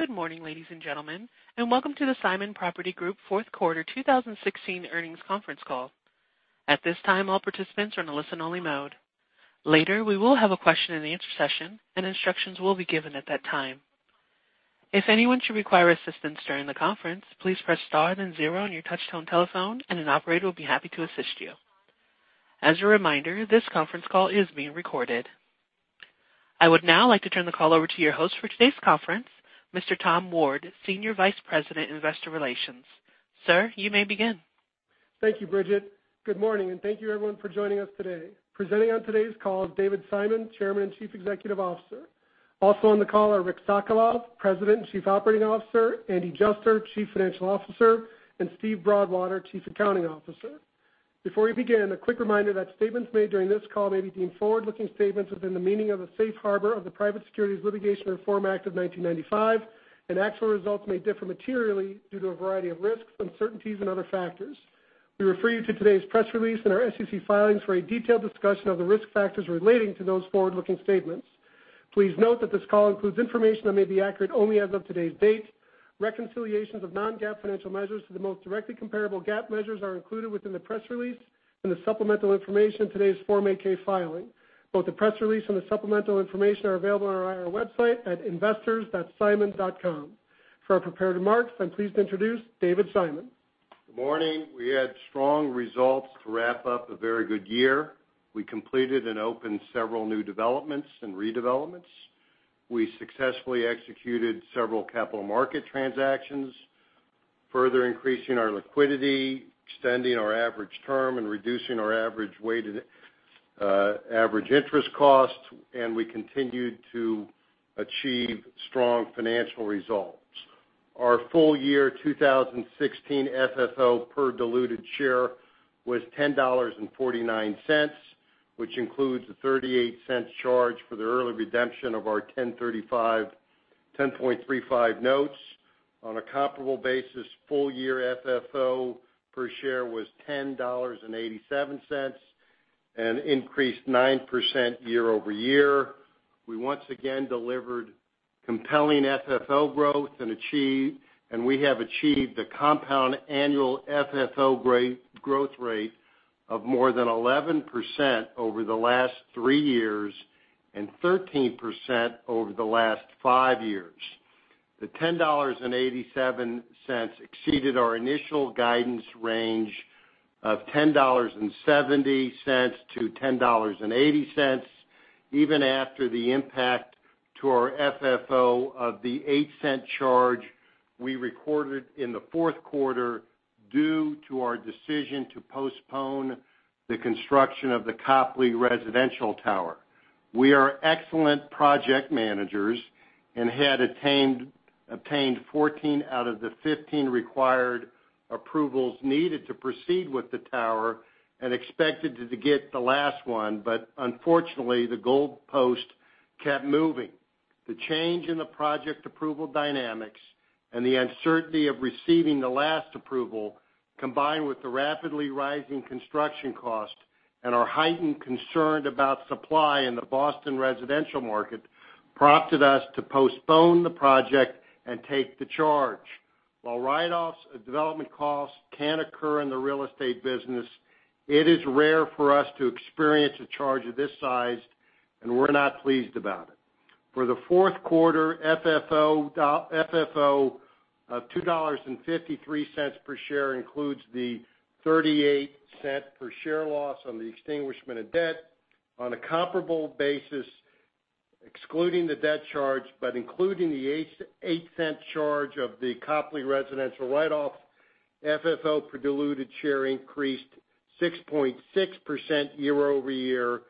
Good morning, ladies and gentlemen. Welcome to the Simon Property Group fourth quarter 2016 earnings conference call. At this time, all participants are in listen-only mode. Later, we will have a question and answer session. Instructions will be given at that time. If anyone should require assistance during the conference, please press star then zero on your touchtone telephone, and an operator will be happy to assist you. As a reminder, this conference call is being recorded. I would now like to turn the call over to your host for today's conference, Mr. Tom Ward, Senior Vice President, Investor Relations. Sir, you may begin. Thank you, Bridget. Good morning. Thank you, everyone, for joining us today. Presenting on today's call is David Simon, Chairman and Chief Executive Officer. Also on the call are Rick Sokolov, President and Chief Operating Officer, Andy Juster, Chief Financial Officer, and Steve Broadwater, Chief Accounting Officer. Before we begin, a quick reminder that statements made during this call may be deemed forward-looking statements within the meaning of a safe harbor of the Private Securities Litigation Reform Act of 1995, and actual results may differ materially due to a variety of risks, uncertainties, and other factors. We refer you to today's press release and our SEC filings for a detailed discussion of the risk factors relating to those forward-looking statements. Please note that this call includes information that may be accurate only as of today's date. Reconciliations of non-GAAP financial measures to the most directly comparable GAAP measures are included within the press release and the supplemental information in today's Form 8-K filing. Both the press release and the supplemental information are available on our website at investors.simon.com. For our prepared remarks, I'm pleased to introduce David Simon. Good morning. We had strong results to wrap up a very good year. We completed and opened several new developments and redevelopments. We successfully executed several capital market transactions, further increasing our liquidity, extending our average term, and reducing our average interest cost, and we continued to achieve strong financial results. Our full year 2016 FFO per diluted share was $10.49, which includes the $0.38 charge for the early redemption of our 1035, 10.35 notes. On a comparable basis, full year FFO per share was $10.87 and increased 9% year-over-year. We once again delivered compelling FFO growth and we have achieved a compound annual FFO growth rate of more than 11% over the last three years and 13% over the last five years. The $10.87 exceeded our initial guidance range of $10.70-$10.80. Even after the impact to our FFO of the $0.08 charge we recorded in the fourth quarter due to our decision to postpone the construction of the Copley residential tower. We are excellent project managers and had obtained 14 out of the 15 required approvals needed to proceed with the tower and expected to get the last one, but unfortunately, the goalpost kept moving. The change in the project approval dynamics and the uncertainty of receiving the last approval, combined with the rapidly rising construction cost and our heightened concern about supply in the Boston residential market, prompted us to postpone the project and take the charge. While write-offs of development costs can occur in the real estate business, it is rare for us to experience a charge of this size, and we're not pleased about it. For the fourth quarter FFO of $2.53 per share includes the $0.38 per share loss on the extinguishment of debt. On a comparable basis, excluding the debt charge but including the $0.08 charge of the Copley residential write-off, FFO per diluted share increased 6.6% year-over-year,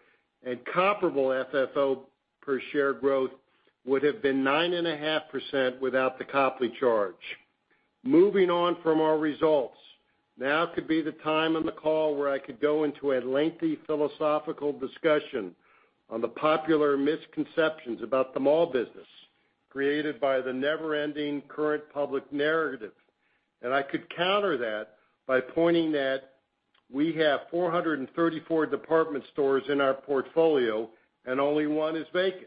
and comparable FFO per share growth would have been 9.5% without the Copley charge. Moving on from our results. Now could be the time on the call where I could go into a lengthy philosophical discussion on the popular misconceptions about the mall business created by the never-ending current public narrative. I could counter that by pointing that we have 434 department stores in our portfolio and only one is vacant.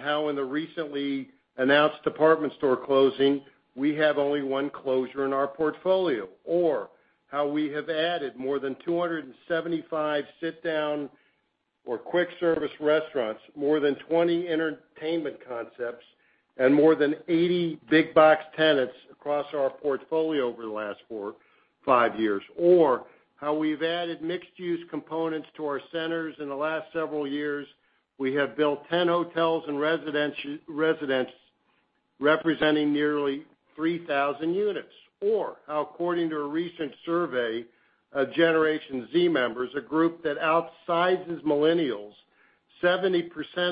How in the recently announced department store closing, we have only one closure in our portfolio. How we have added more than 275 sit-down or quick-service restaurants, more than 20 entertainment concepts, and more than 80 big box tenants across our portfolio over the last five years. How we've added mixed-use components to our centers in the last several years. We have built 10 hotels and residents representing nearly 3,000 units. How according to a recent survey of Generation Z members, a group that outsizes millennials, 70%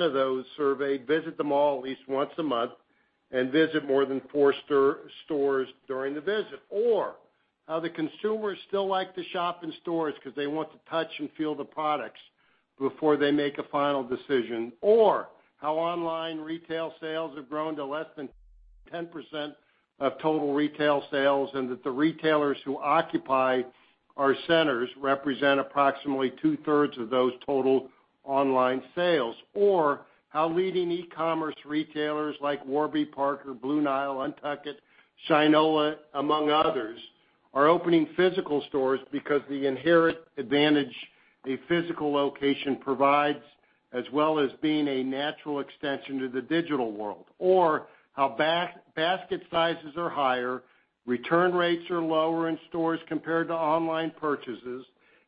of those surveyed visit the mall at least once a month and visit more than four stores during the visit. How the consumers still like to shop in stores because they want to touch and feel the products before they make a final decision. How online retail sales have grown to less than 10%. Of total retail sales, and that the retailers who occupy our centers represent approximately two-thirds of those total online sales. How leading e-commerce retailers like Warby Parker, Blue Nile, UNTUCKit, Shinola, among others, are opening physical stores because the inherent advantage a physical location provides, as well as being a natural extension to the digital world. How basket sizes are higher, return rates are lower in stores compared to online purchases,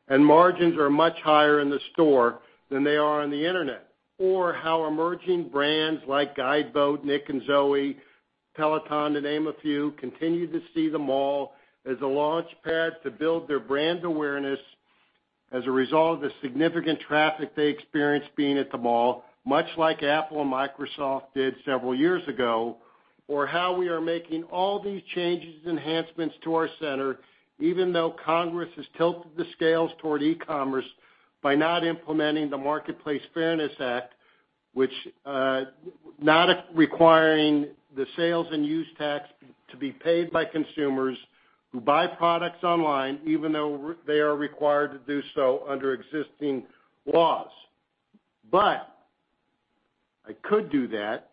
and margins are much higher in the store than they are on the internet. How emerging brands like Guideboat Co., NIC+ZOE, Peloton, to name a few, continue to see the mall as a launchpad to build their brand awareness as a result of the significant traffic they experience being at the mall, much like Apple and Microsoft did several years ago. How we are making all these changes and enhancements to our center, even though Congress has tilted the scales toward e-commerce by not implementing the Marketplace Fairness Act, which not requiring the sales and use tax to be paid by consumers who buy products online, even though they are required to do so under existing laws. I could do that,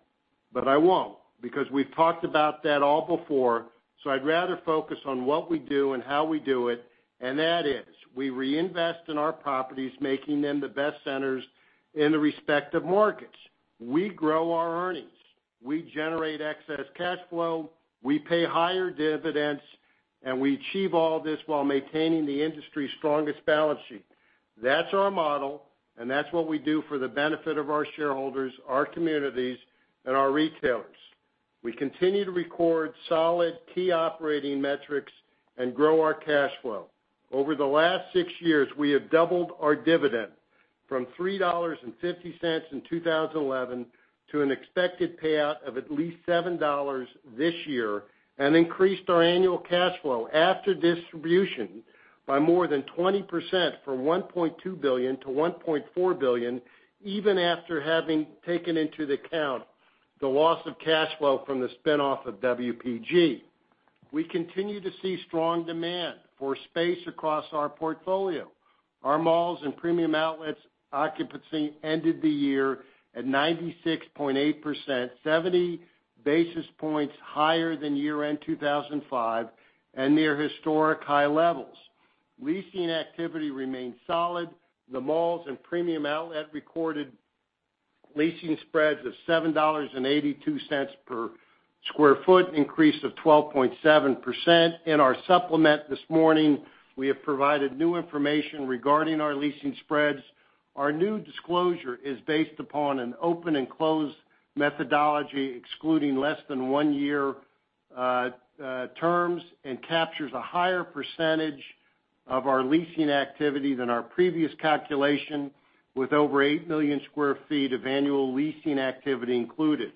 but I won't, because we've talked about that all before, so I'd rather focus on what we do and how we do it, and that is we reinvest in our properties, making them the best centers in the respective markets. We grow our earnings. We generate excess cash flow. We pay higher dividends, and we achieve all this while maintaining the industry's strongest balance sheet. That's our model, and that's what we do for the benefit of our shareholders, our communities, and our retailers. We continue to record solid key operating metrics and grow our cash flow. Over the last 6 years, we have doubled our dividend from $3.50 in 2011 to an expected payout of at least $7 this year, and increased our annual cash flow after distribution by more than 20% from $1.2 billion-$1.4 billion, even after having taken into account the loss of cash flow from the spin-off of WPG. We continue to see strong demand for space across our portfolio. Our malls and premium outlets occupancy ended the year at 96.8%, 70 basis points higher than year-end 2015 and near historic high levels. Leasing activity remained solid. The malls and premium outlet recorded leasing spreads of $7.82 per square foot, increase of 12.7%. In our supplement this morning, we have provided new information regarding our leasing spreads. Our new disclosure is based upon an open and close methodology excluding less than one year terms and captures a higher percentage of our leasing activity than our previous calculation with over 8 million square feet of annual leasing activity included.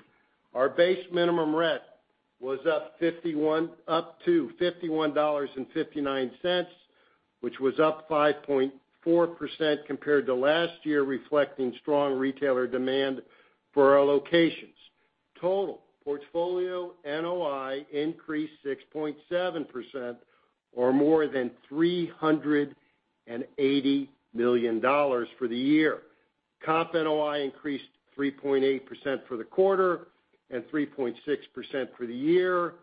Our base minimum rent was up to $51.59, which was up 5.4% compared to last year, reflecting strong retailer demand for our locations. Total portfolio NOI increased 6.7% or more than $380 million for the year. Comp NOI increased 3.8% for the quarter and 3.6% for the year.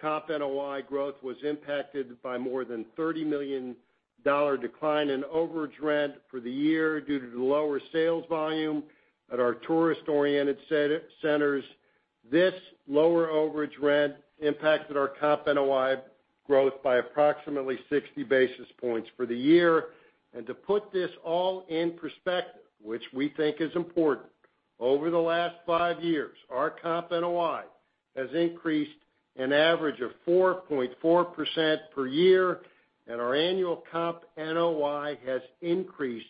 Comp NOI growth was impacted by more than $30 million decline in overage rent for the year due to the lower sales volume at our tourist-oriented centers. This lower overage rent impacted our comp NOI growth by approximately 60 basis points for the year. To put this all in perspective, which we think is important, over the last 5 years, our comp NOI has increased an average of 4.4% per year, and our annual comp NOI has increased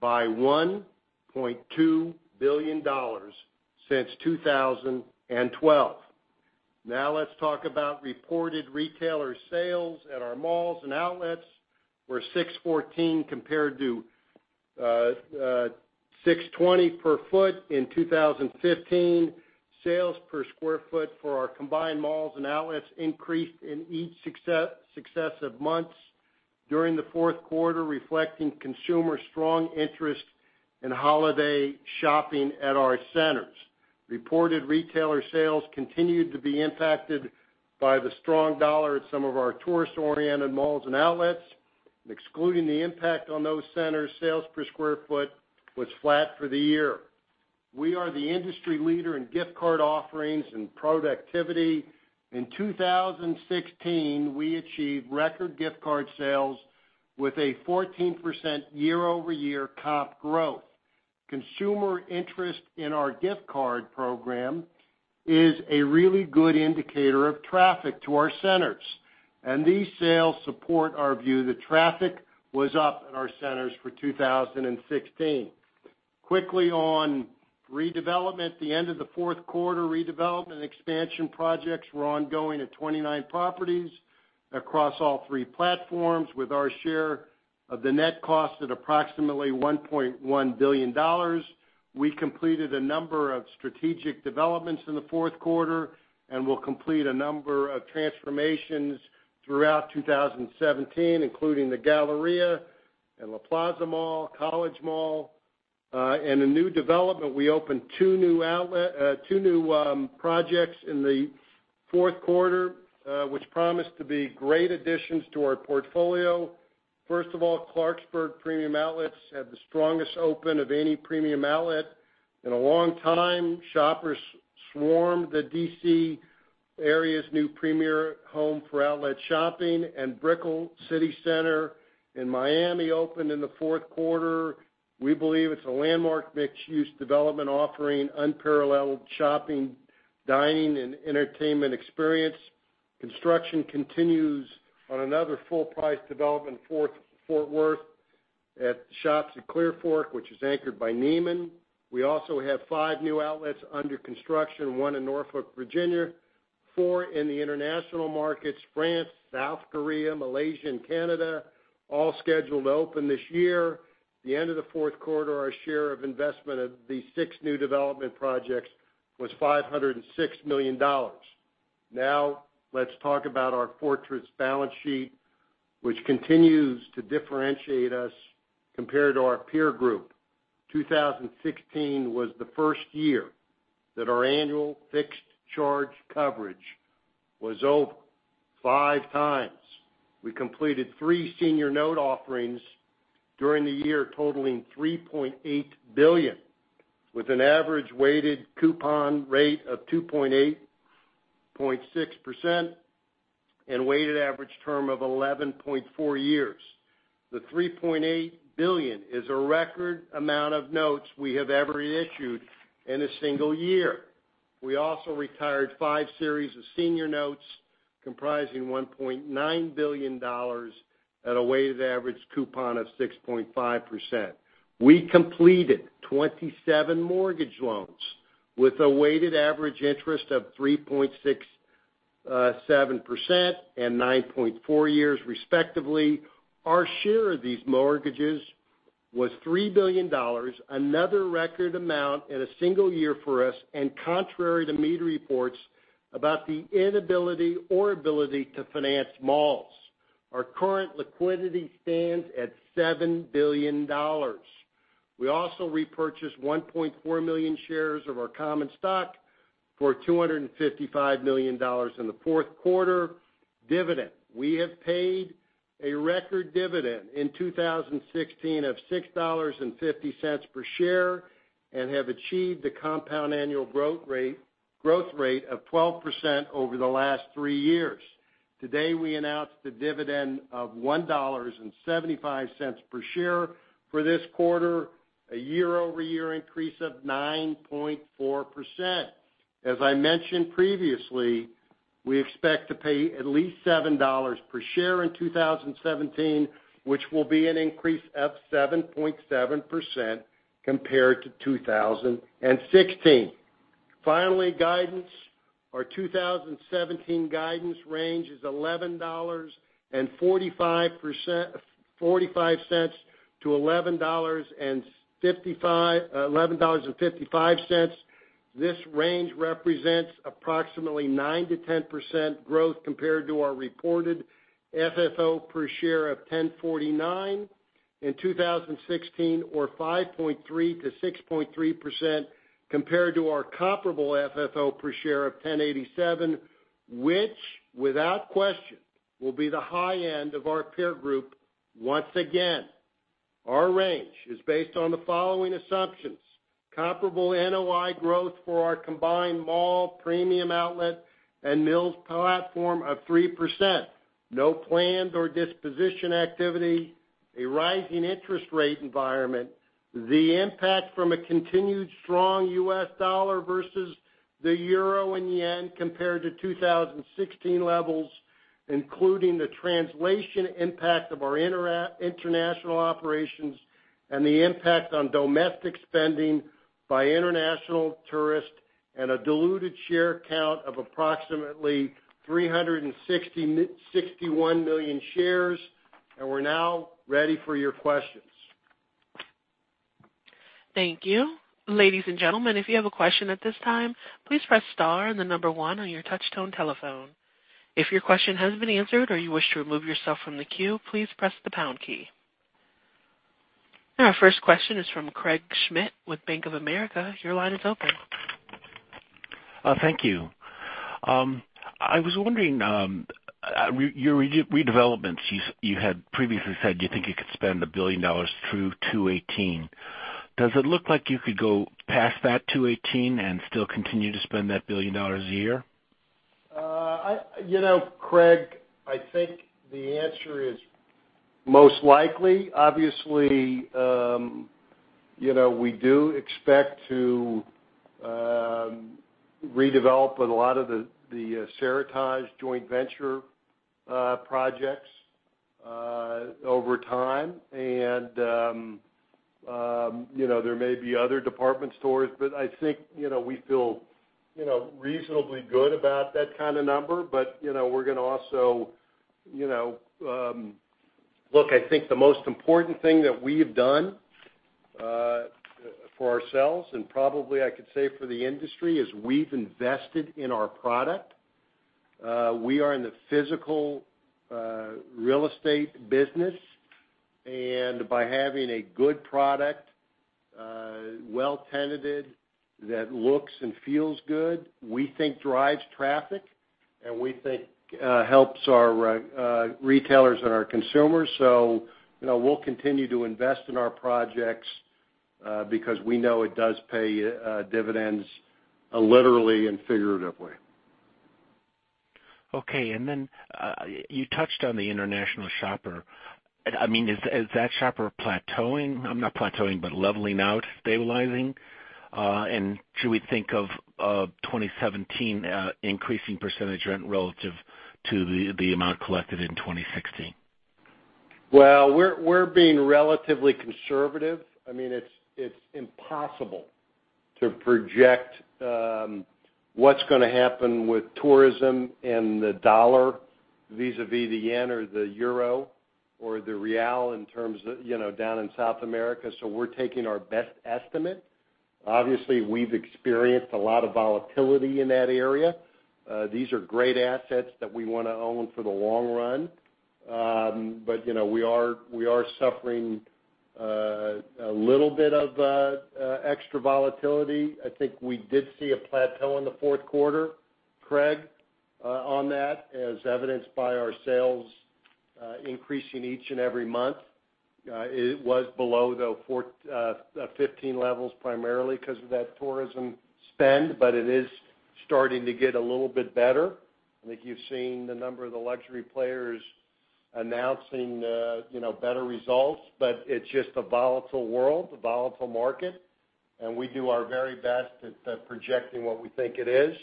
by $1.2 billion since 2012. Let's talk about reported retailer sales at our malls and outlets were $614 compared to $620 per foot in 2015. Sales per square foot for our combined malls and outlets increased in each successive months during the fourth quarter, reflecting consumer strong interest in holiday shopping at our centers. Reported retailer sales continued to be impacted by the strong dollar at some of our tourist-oriented malls and outlets. Excluding the impact on those centers, sales per square foot was flat for the year. We are the industry leader in gift card offerings and productivity. In 2016, we achieved record gift card sales with a 14% year-over-year comp growth. Consumer interest in our gift card program is a really good indicator of traffic to our centers. These sales support our view that traffic was up in our centers for 2016. Quickly on redevelopment. The end of the fourth quarter, redevelopment and expansion projects were ongoing at 29 properties. Across all three platforms with our share of the net cost at approximately $1.1 billion. We completed a number of strategic developments in the fourth quarter, and we'll complete a number of transformations throughout 2017, including the Galleria and La Plaza Mall, College Mall, and a new development. We opened two new projects in the fourth quarter, which promise to be great additions to our portfolio. First of all, Clarksburg Premium Outlets had the strongest open of any premium outlet in a long time. Shoppers swarmed the D.C. area's new premier home for outlet shopping, and Brickell City Centre in Miami opened in the fourth quarter. We believe it's a landmark mixed-use development offering unparalleled shopping, dining, and entertainment experience. Construction continues on another full-price development, Fort Worth at The Shops at Clearfork, which is anchored by Neiman. We also have five new outlets under construction, one in Norfolk, Virginia, four in the international markets, France, South Korea, Malaysia, and Canada, all scheduled to open this year. The end of the fourth quarter, our share of investment of these six new development projects was $506 million. Now, let's talk about our fortress balance sheet, which continues to differentiate us compared to our peer group. 2016 was the first year that our annual fixed charge coverage was over five times. We completed three senior note offerings during the year, totaling $3.8 billion, with an average weighted coupon rate of 2.86% and weighted average term of 11.4 years. The $3.8 billion is a record amount of notes we have ever issued in a single year. We also retired five series of senior notes comprising $1.9 billion at a weighted average coupon of 6.5%. We completed 27 mortgage loans with a weighted average interest of 3.67% and 9.4 years respectively. Our share of these mortgages was $3 billion, another record amount in a single year for us, and contrary to media reports about the inability or ability to finance malls. Our current liquidity stands at $7 billion. We also repurchased 1.4 million shares of our common stock for $255 million in the fourth quarter. Dividend. We have paid a record dividend in 2016 of $6.50 per share and have achieved a compound annual growth rate of 12% over the last three years. Today, we announced the dividend of $1.75 per share for this quarter, a year-over-year increase of 9.4%. As I mentioned previously, we expect to pay at least $7 per share in 2017, which will be an increase of 7.7% compared to 2016. Finally, guidance. Our 2017 guidance range is $11.45 to $11.55. This range represents approximately 9%-10% growth compared to our reported FFO per share of $10.49 in 2016 or 5.3%-6.3% compared to our comparable FFO per share of $10.87, which without question will be the high end of our peer group once again. Our range is based on the following assumptions: comparable NOI growth for our combined mall premium outlet and Mills platform of 3%, no planned or disposition activity, a rising interest rate environment, the impact from a continued strong U.S. dollar versus the euro and yen compared to 2016 levels, including the translation impact of our international operations and the impact on domestic spending by international tourists, and a diluted share count of approximately 361 million shares. We're now ready for your questions. Thank you. Ladies and gentlemen, if you have a question at this time, please press star and the number 1 on your touch-tone telephone. If your question has been answered or you wish to remove yourself from the queue, please press the pound key. Our first question is from Craig Schmidt with Bank of America. Your line is open. Thank you. I was wondering, your redevelopments, you had previously said you think you could spend $1 billion through 2018. Does it look like you could go past that 2018 and still continue to spend that $1 billion a year? Craig, I think the answer is most likely. Obviously, we do expect to redevelop a lot of the Seritage joint venture projects over time, and there may be other department stores, but I think we feel reasonably good about that kind of number. We're going to also Look, I think the most important thing that we've done for ourselves, and probably I could say for the industry, is we've invested in our product. We are in the physical real estate business, and by having a good product, well-tenanted, that looks and feels good, we think drives traffic, and we think helps our retailers and our consumers. We'll continue to invest in our projects because we know it does pay dividends literally and figuratively. Okay, you touched on the international shopper. Is that shopper plateauing? Not plateauing, but leveling out, stabilizing? Should we think of 2017 increasing percentage rent relative to the amount collected in 2016? Well, we're being relatively conservative. It's impossible to project what's going to happen with tourism and the dollar vis-à-vis the yen or the euro or the real in terms of down in South America. We're taking our best estimate. Obviously, we've experienced a lot of volatility in that area. These are great assets that we want to own for the long run. We are suffering a little bit of extra volatility. I think we did see a plateau in the fourth quarter, Craig, on that, as evidenced by our sales increasing each and every month. It was below the 15 levels, primarily because of that tourism spend, but it is starting to get a little bit better. I think you've seen a number of the luxury players announcing better results, it's just a volatile world, a volatile market, we do our very best at projecting what we think it is.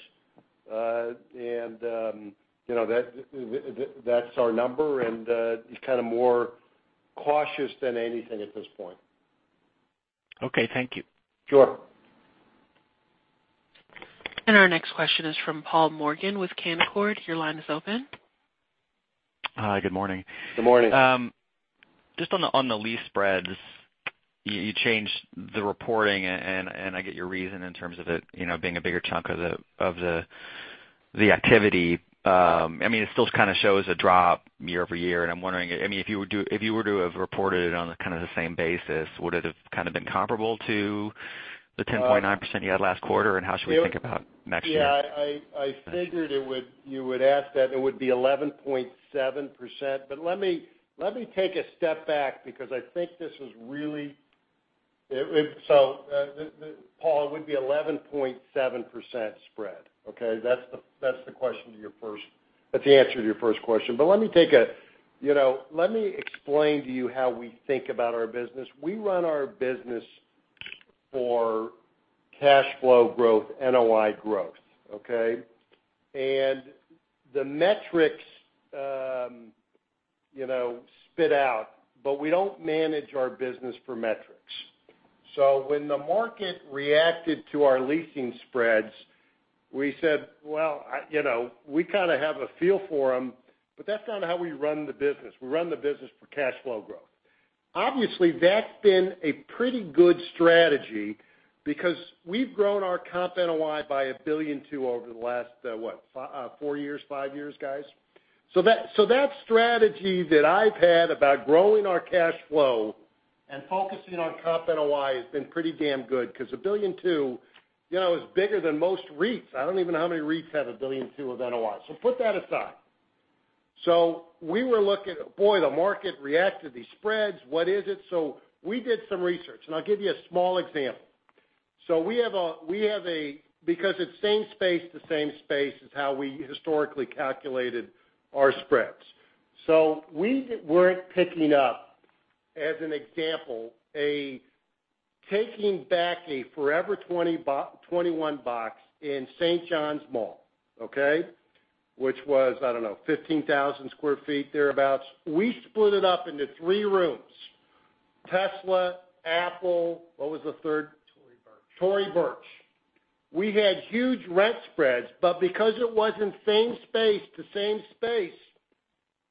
That's our number, it's kind of more cautious than anything at this point. Okay. Thank you. Sure. Our next question is from Paul Morgan with Canaccord. Your line is open. Hi. Good morning. Good morning. Just on the lease spreads, you changed the reporting and I get your reason in terms of it being a bigger chunk of the activity. It still kind of shows a drop year-over-year, and I'm wondering if you were to have reported it on the same basis, would it have been comparable to the 10.9% you had last quarter? How should we think about next year? I figured you would ask that, it would be 11.7%. Let me take a step back because I think this is really. Paul Adornato, it would be 11.7% spread. Okay. That's the answer to your first question. Let me explain to you how we think about our business. We run our business for cash flow growth, NOI growth. Okay. The metrics spit out, but we don't manage our business for metrics. When the market reacted to our leasing spreads, we said, "Well, we kind of have a feel for them," but that's not how we run the business. We run the business for cash flow growth. Obviously, that's been a pretty good strategy because we've grown our comp NOI by $1.2 billion over the last, what, four years, five years, guys? That strategy that I've had about growing our cash flow and focusing on comp NOI has been pretty damn good because $1.2 billion is bigger than most REITs. I don't even know how many REITs have $1.2 billion of NOI. Put that aside. We were looking, boy, the market reacted, these spreads, what is it? We did some research, and I'll give you a small example. It's same space to same space is how we historically calculated our spreads. We weren't picking up, as an example, taking back a Forever 21 box in St. Johns Town Center, okay? Which was, I don't know, 15,000 sq ft, thereabouts. We split it up into three rooms. Tesla, Apple, what was the third? Tory Burch. Tory Burch. We had huge rent spreads, because it wasn't same space to same space,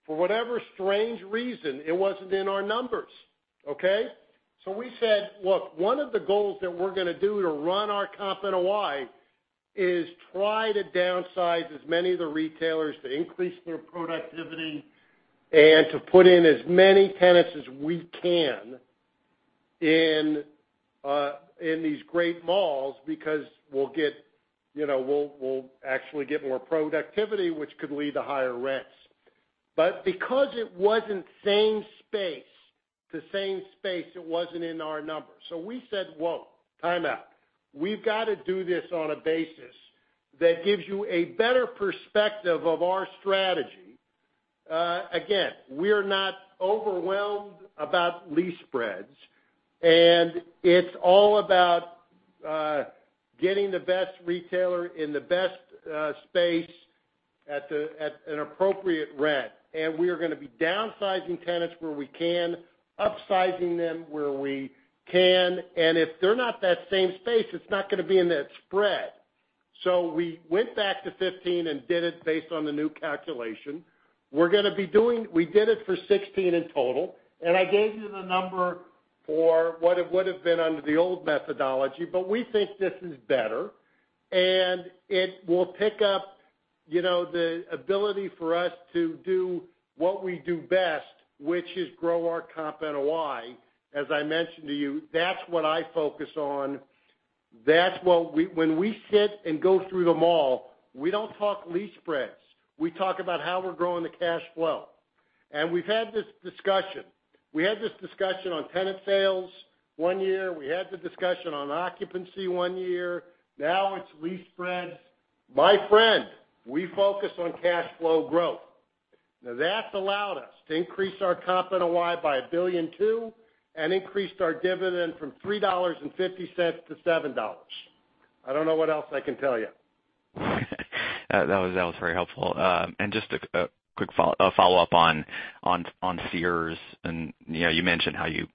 for whatever strange reason, it wasn't in our numbers. Okay. We said, look, one of the goals that we're going to do to run our comp NOI is try to downsize as many of the retailers to increase their productivity and to put in as many tenants as we can in these great malls because we'll actually get more productivity, which could lead to higher rents. Because it wasn't same space to same space, it wasn't in our numbers. We said, whoa, time out. We've got to do this on a basis that gives you a better perspective of our strategy. Again, we're not overwhelmed about lease spreads, and it's all about getting the best retailer in the best space at an appropriate rent. We are going to be downsizing tenants where we can, upsizing them where we can, and if they're not that same space, it's not going to be in that spread. We went back to 2015 and did it based on the new calculation. We did it for 2016 in total, and I gave you the number for what it would've been under the old methodology. We think this is better, and it will pick up the ability for us to do what we do best, which is grow our comp NOI. As I mentioned to you, that's what I focus on. When we sit and go through the mall, we don't talk lease spreads. We talk about how we're growing the cash flow. We've had this discussion. We had this discussion on tenant sales one year. We had the discussion on occupancy one year. Now it's lease spreads. My friend, we focus on cash flow growth. Now, that's allowed us to increase our comp NOI by $1.2 billion and increased our dividend from $3.50 to $7. I don't know what else I can tell you. That was very helpful. Just a quick follow-up on Sears and you mentioned how you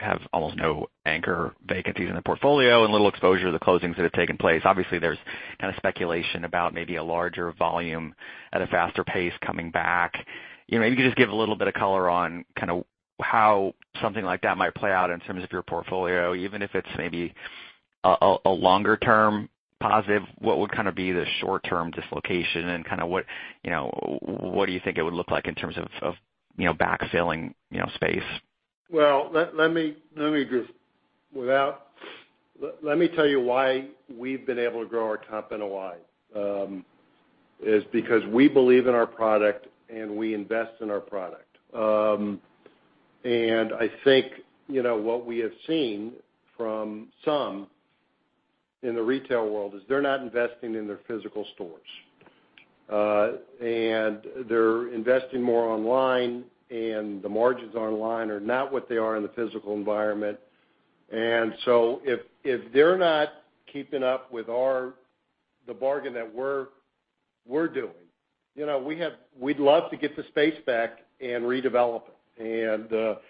have almost no anchor vacancies in the portfolio and little exposure to the closings that have taken place. Obviously, there's kind of speculation about maybe a larger volume at a faster pace coming back. Maybe you can just give a little bit of color on how something like that might play out in terms of your portfolio. Even if it's maybe a longer-term positive, what would kind of be the short-term dislocation and what do you think it would look like in terms of backfilling space? Well, let me tell you why we've been able to grow our comp NOI, is because we believe in our product and we invest in our product. I think, what we have seen from some in the retail world is they're not investing in their physical stores. They're investing more online, and the margins online are not what they are in the physical environment. If they're not keeping up with the bargain that we're doing, we'd love to get the space back and redevelop it.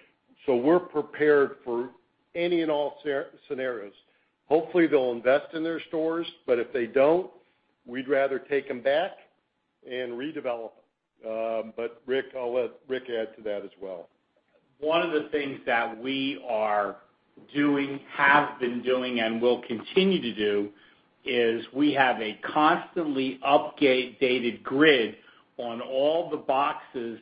We're prepared for any and all scenarios. Hopefully, they'll invest in their stores, but if they don't, we'd rather take them back and redevelop them. Rick, I'll let Rick add to that as well. One of the things that we are doing, have been doing, and will continue to do is we have a constantly updated grid on all the boxes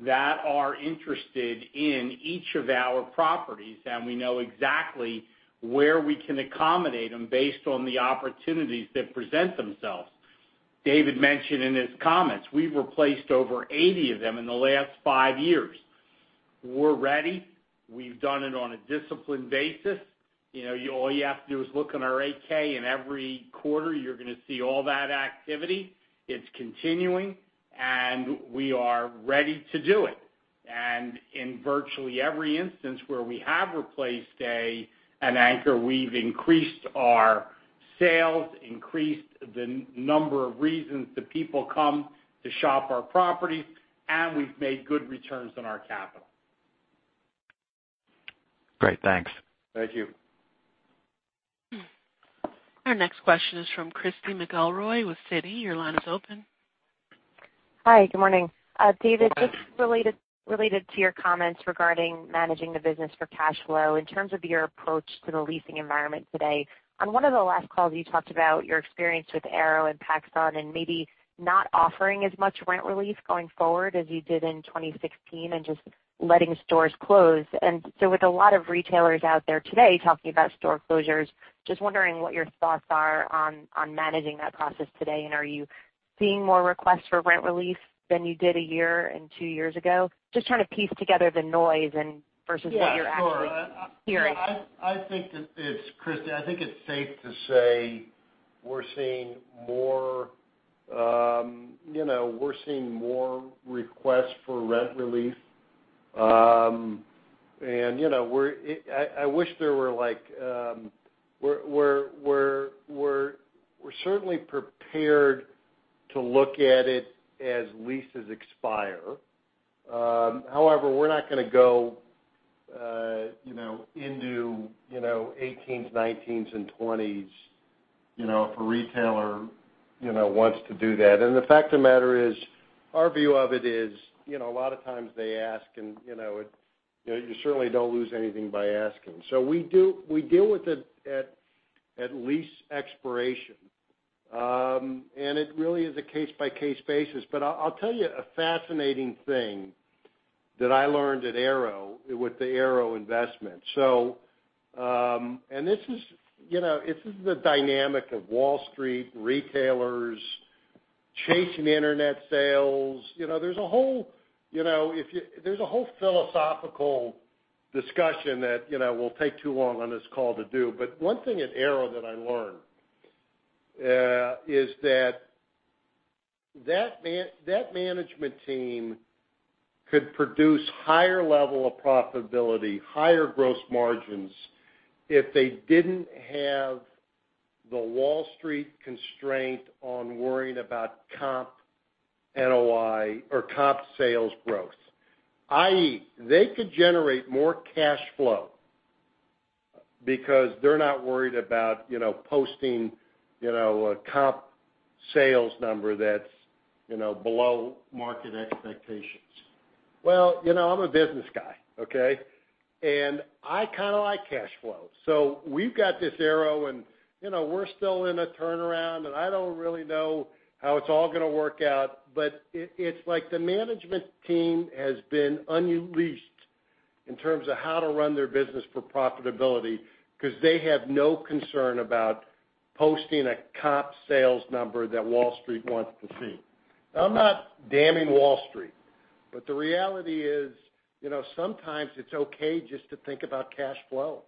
that are interested in each of our properties, and we know exactly where we can accommodate them based on the opportunities that present themselves. David mentioned in his comments, we've replaced over 80 of them in the last five years. We're ready. We've done it on a disciplined basis. All you have to do is look on our 8-K, and every quarter, you're going to see all that activity. It's continuing, and we are ready to do it. In virtually every instance where we have replaced an anchor, we've increased our sales, increased the number of reasons that people come to shop our properties, and we've made good returns on our capital. Great. Thanks. Thank you. Our next question is from Christy McElroy with Citi. Your line is open. Hi, good morning. Good morning. David, just related to your comments regarding managing the business for cash flow in terms of your approach to the leasing environment today. On one of the last calls, you talked about your experience with Aéropostale and PacSun and maybe not offering as much rent relief going forward as you did in 2016 and just letting stores close. With a lot of retailers out there today talking about store closures, just wondering what your thoughts are on managing that process today, and are you seeing more requests for rent relief than you did a year and two years ago? Just trying to piece together the noise and versus what you're actually hearing. Yeah, sure. Christy, I think it's safe to say we're seeing more requests for rent relief. We're certainly prepared to look at it as leases expire. However, we're not going to go into 18s, 19s, and 20s, if a retailer wants to do that. The fact of the matter is, our view of it is, a lot of times they ask, and you certainly don't lose anything by asking. We deal with it at lease expiration. It really is a case-by-case basis. I'll tell you a fascinating thing that I learned with the Aéropostale investment. This is the dynamic of Wall Street retailers chasing internet sales. There's a whole philosophical discussion that will take too long on this call to do. But one thing at Aéropostale that I learned is that the management team could produce higher level of profitability, higher gross margins, if they didn't have the Wall Street constraint on worrying about comp NOI or comp sales growth, i.e., they could generate more cash flow because they're not worried about posting a comp sales number that's below market expectations. I'm a business guy, okay? And I kind of like cash flow. So we've got this Aéropostale, and we're still in a turnaround, and I don't really know how it's all going to work out, but it's like the management team has been unleashed in terms of how to run their business for profitability because they have no concern about posting a comp sales number that Wall Street wants to see. Now, I'm not damning Wall Street, but the reality is, sometimes it's okay just to think about cash flow.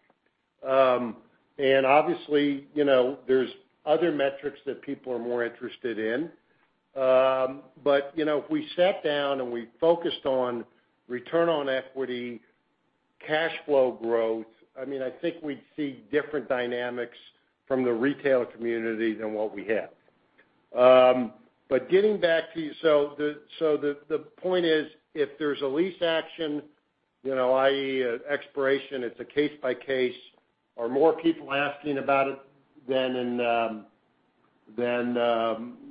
And obviously, there's other metrics that people are more interested in. But if we sat down and we focused on return on equity, cash flow growth, I think we'd see different dynamics from the retail community than what we have. So the point is, if there's a lease action, i.e., an expiration, it's a case by case. Are more people asking about it than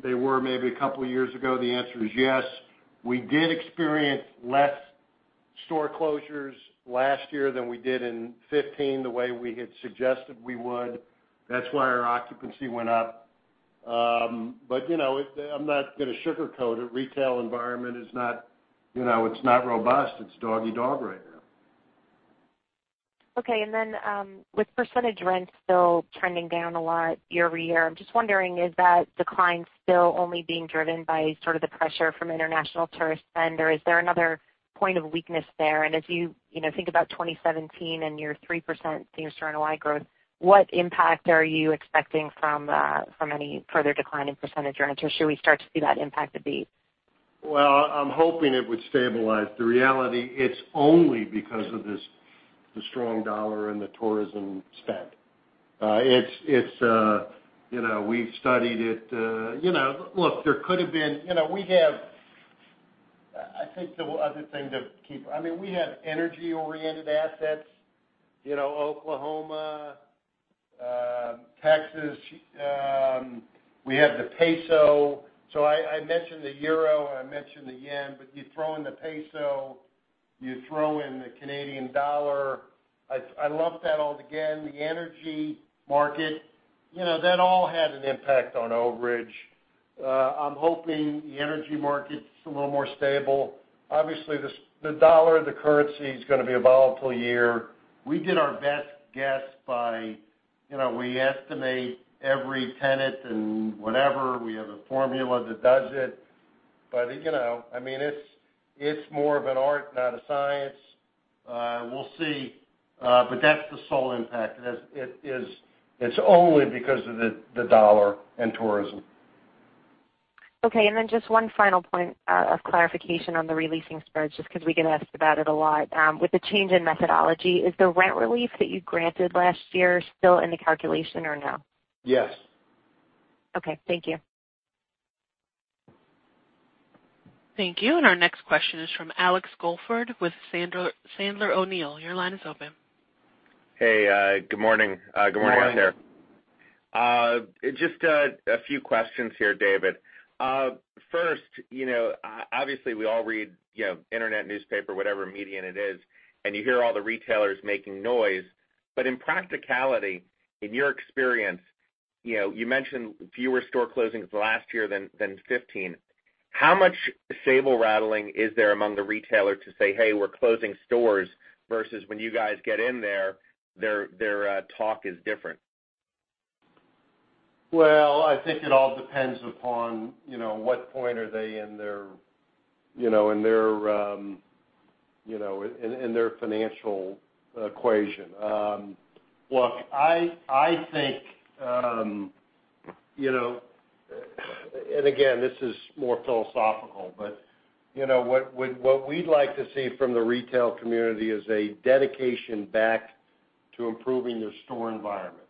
they were maybe a couple of years ago? The answer is yes. We did experience less store closures last year than we did in 2015, the way we had suggested we would. That's why our occupancy went up. But I'm not going to sugarcoat it. Retail environment is not robust. It's dog-eat-dog right now. Okay. And then, with percentage rents still trending down a lot year-over-year, I'm just wondering, is that decline still only being driven by sort of the pressure from international tourist spend, or is there another point of weakness there? And as you think about 2017 and your 3% same store NOI growth, what impact are you expecting from any further decline in percentage rent, or should we start to see that impact abate? I'm hoping it would stabilize. The reality, it's only because of the strong dollar and the tourism spend. We've studied it. Look, there could have been. We have energy-oriented assets, Oklahoma, Texas. We have the peso. I mentioned the euro and I mentioned the yen, but you throw in the peso, you throw in the Canadian dollar. I lump that all together. The energy market, that all had an impact on overage. I'm hoping the energy market's a little more stable. Obviously, the dollar, the currency is going to be a volatile year. We did our best guess by. We estimate every tenant and whatever. We have a formula that does it. It's more of an art, not a science. We'll see. That's the sole impact. It's only because of the dollar and tourism. Okay, just one final point of clarification on the re-leasing spreads, just because we get asked about it a lot. With the change in methodology, is the rent re-lease that you granted last year still in the calculation or no? Yes. Okay. Thank you. Thank you. Our next question is from Alexander Goldfarb with Sandler O'Neill. Your line is open. Hey, good morning. Good morning. Good morning out there. Just a few questions here, David. First, obviously, we all read internet, newspaper, whatever medium it is, you hear all the retailers making noise. In practicality, in your experience, you mentioned fewer store closings last year than 2015. How much saber-rattling is there among the retailers to say, "Hey, we're closing stores," versus when you guys get in there, their talk is different? I think it all depends upon what point are they in their financial equation. Look, I think, and again, this is more philosophical, what we'd like to see from the retail community is a dedication back to improving their store environment.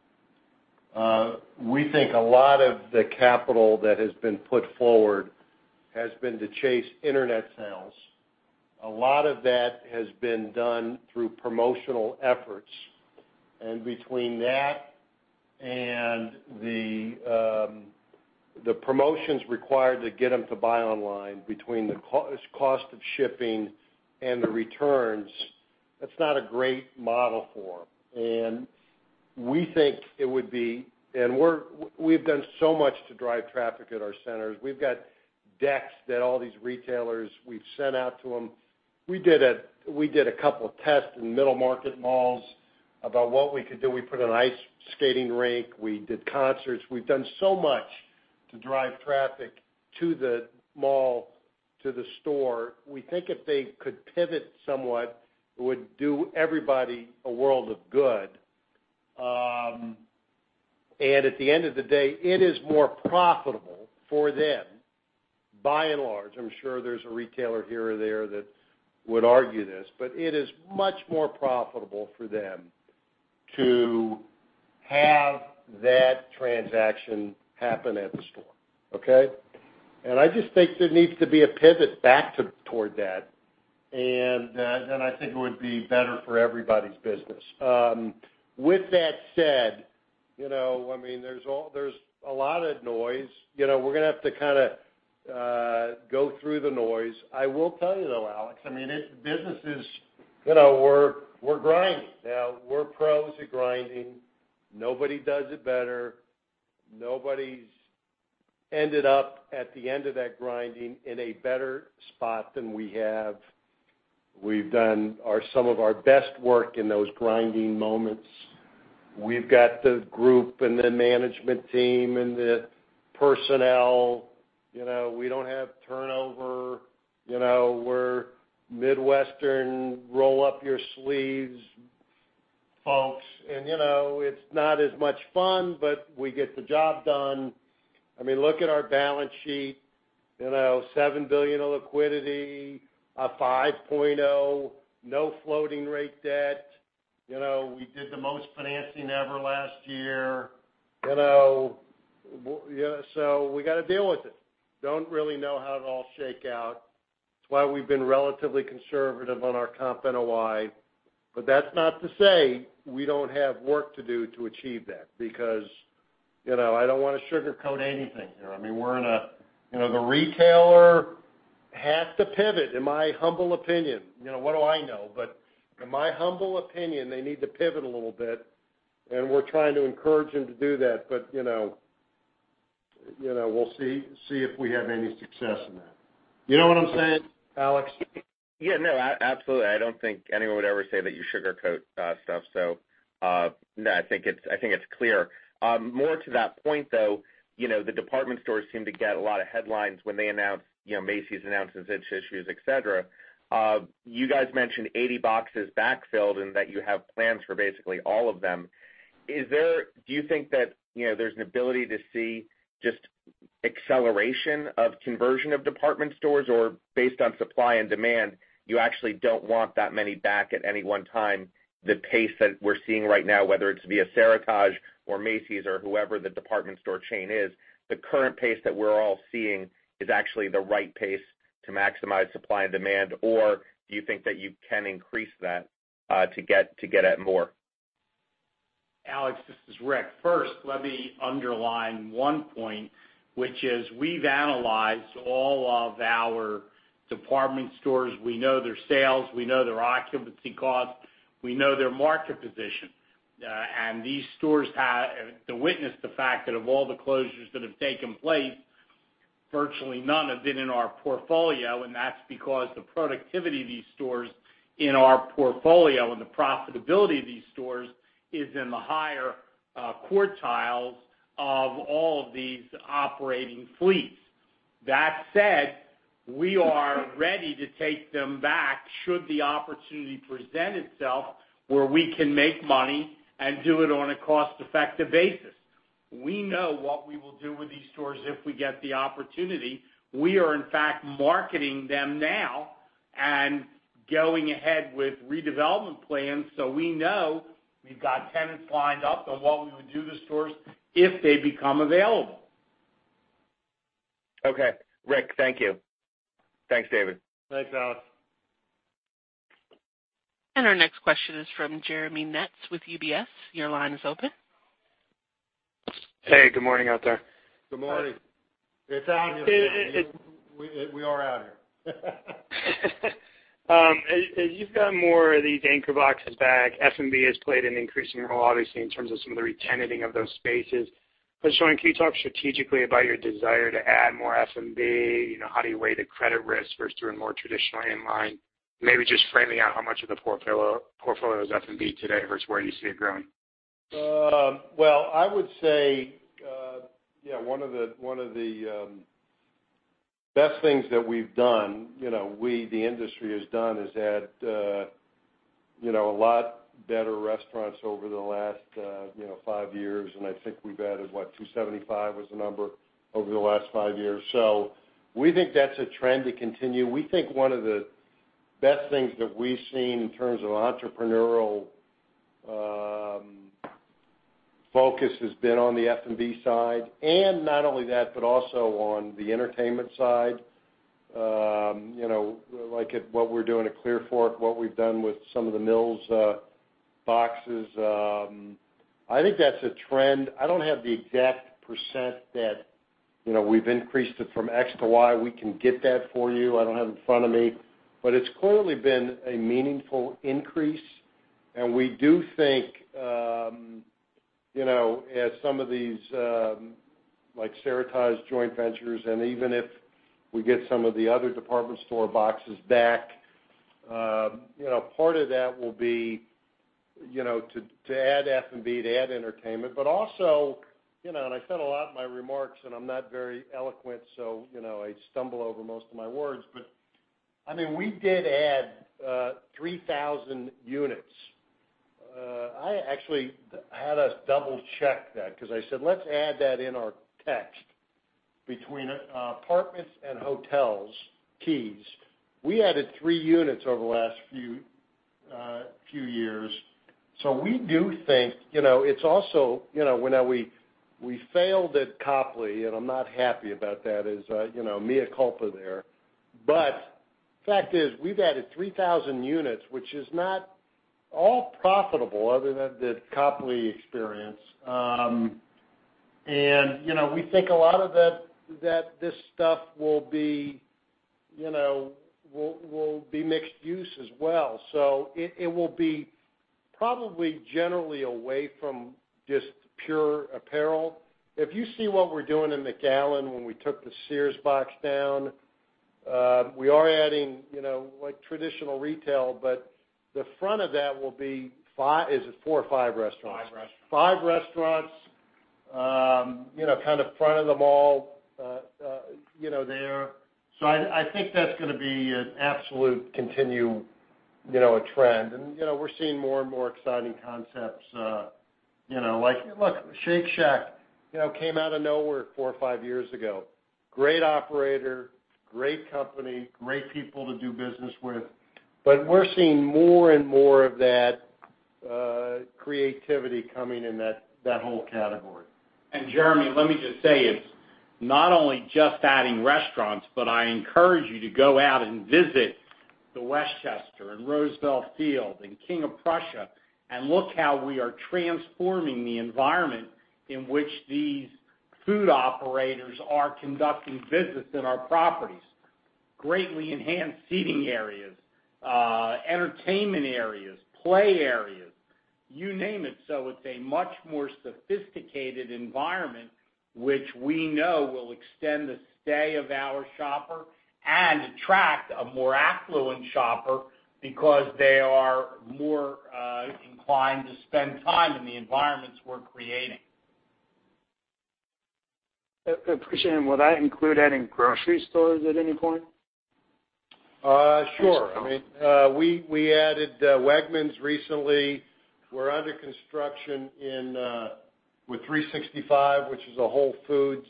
We think a lot of the capital that has been put forward has been to chase internet sales. A lot of that has been done through promotional efforts. Between that and the promotions required to get them to buy online, between the cost of shipping and the returns, that's not a great model for them. We've done so much to drive traffic at our centers. We've got decks that all these retailers, we've sent out to them. We did a couple of tests in middle market malls about what we could do. We put an ice skating rink. We did concerts. We've done so much to drive traffic to the mall, to the store. We think if they could pivot somewhat, it would do everybody a world of good. At the end of the day, it is more profitable for them, by and large, I'm sure there's a retailer here or there that would argue this, it is much more profitable for them to have that transaction happen at the store. Okay? I just think there needs to be a pivot back toward that. I think it would be better for everybody's business. With that said, there's a lot of noise. We're going to have to kind of go through the noise. I will tell you though, Alex, we're grinding now. We're pros at grinding. Nobody does it better. Nobody's ended up at the end of that grinding in a better spot than we have. We've done some of our best work in those grinding moments. We've got the group and the management team and the personnel. We don't have turnover. We're Midwestern, roll-up-your-sleeves folks. It's not as much fun, but we get the job done. Look at our balance sheet, $7 billion of liquidity, a 5.0, no floating rate debt. We did the most financing ever last year. We got to deal with it. Don't really know how it'll all shake out. It's why we've been relatively conservative on our comp NOI. That's not to say we don't have work to do to achieve that, because I don't want to sugarcoat anything here. The retailer has to pivot, in my humble opinion. What do I know? In my humble opinion, they need to pivot a little bit, and we're trying to encourage them to do that. We'll see if we have any success in that. You know what I'm saying, Alex? Yeah, no. Absolutely. I don't think anyone would ever say that you sugarcoat stuff. I think it's clear. More to that point, though, the department stores seem to get a lot of headlines when Macy's announces its issues, et cetera. You guys mentioned 80 boxes backfilled and that you have plans for basically all of them. Do you think that there's an ability to see just acceleration of conversion of department stores? Based on supply and demand, you actually don't want that many back at any one time, the pace that we're seeing right now, whether it's via Seritage or Macy's or whoever the department store chain is, the current pace that we're all seeing is actually the right pace to maximize supply and demand, or do you think that you can increase that to get at more? Alex, this is Rick. First, let me underline one point, which is we've analyzed all of our department stores. We know their sales, we know their occupancy costs, we know their market position. These stores witness the fact that of all the closures that have taken place, virtually none have been in our portfolio, and that's because the productivity of these stores in our portfolio and the profitability of these stores is in the higher quartiles of all of these operating fleets. That said, we are ready to take them back should the opportunity present itself where we can make money and do it on a cost-effective basis. We know what we will do with these stores if we get the opportunity. We are in fact marketing them now and going ahead with redevelopment plans, so we know we've got tenants lined up on what we would do with the stores if they become available. Okay, Rick. Thank you. Thanks, David. Thanks, Alex. Our next question is from Jeremy Metz with UBS. Your line is open. Hey, good morning out there. Good morning. It's out here. We are out here. As you've got more of these anchor boxes back, F&B has played an increase in your role, obviously, in terms of some of the re-tenanting of those spaces. David, can you talk strategically about your desire to add more F&B? How do you weigh the credit risk versus doing more traditional in-line? Maybe just framing out how much of the portfolio is F&B today versus where you see it growing. Well, I would say, one of the best things that we've done, we the industry has done, is add a lot better restaurants over the last five years, and I think we've added, what, 275 was the number, over the last five years. We think that's a trend to continue. We think one of the best things that we've seen in terms of entrepreneurial focus has been on the F&B side. Not only that, but also on the entertainment side. Like what we're doing at Clearfork, what we've done with some of the Mills boxes. I think that's a trend. I don't have the exact percent that we've increased it from X to Y. We can get that for you. I don't have it in front of me. It's clearly been a meaningful increase, and we do think, as some of these, like Seritage joint ventures, and even if we get some of the other department store boxes back, part of that will be to add F&B, to add entertainment. Also, I said a lot in my remarks, and I'm not very eloquent, so I stumble over most of my words. We did add 3,000 units. I actually had us double-check that because I said, "Let's add that in our text." Between apartments and hotels, keys, we added three units over the last few years. We failed at Copley, and I'm not happy about that, is mea culpa there. The fact is, we've added 3,000 units, which is not all profitable other than the Copley experience. We think a lot of that, this stuff will be mixed use as well. It will be probably generally away from just pure apparel. If you see what we're doing in McAllen, when we took the Sears box down, we are adding traditional retail. The front of that will be four or five restaurants. Five restaurants. Five restaurants, kind of front of the mall there. I think that's going to be an absolute continue, a trend. We're seeing more and more exciting concepts. Like, look, Shake Shack, came out of nowhere four or five years ago. Great operator, great company, great people to do business with. We're seeing more and more of that creativity coming in that whole category. Jeremy, let me just say, it's not only just adding restaurants, but I encourage you to go out and visit The Westchester and Roosevelt Field and King of Prussia and look how we are transforming the environment in which these food operators are conducting business in our properties. Greatly enhanced seating areas, entertainment areas, play areas, you name it. It's a much more sophisticated environment, which we know will extend the stay of our shopper and attract a more affluent shopper because they are more inclined to spend time in the environments we're creating. Appreciate it. Would that include adding grocery stores at any point? Sure. We added Wegmans recently. We're under construction with 365, which is a Whole Foods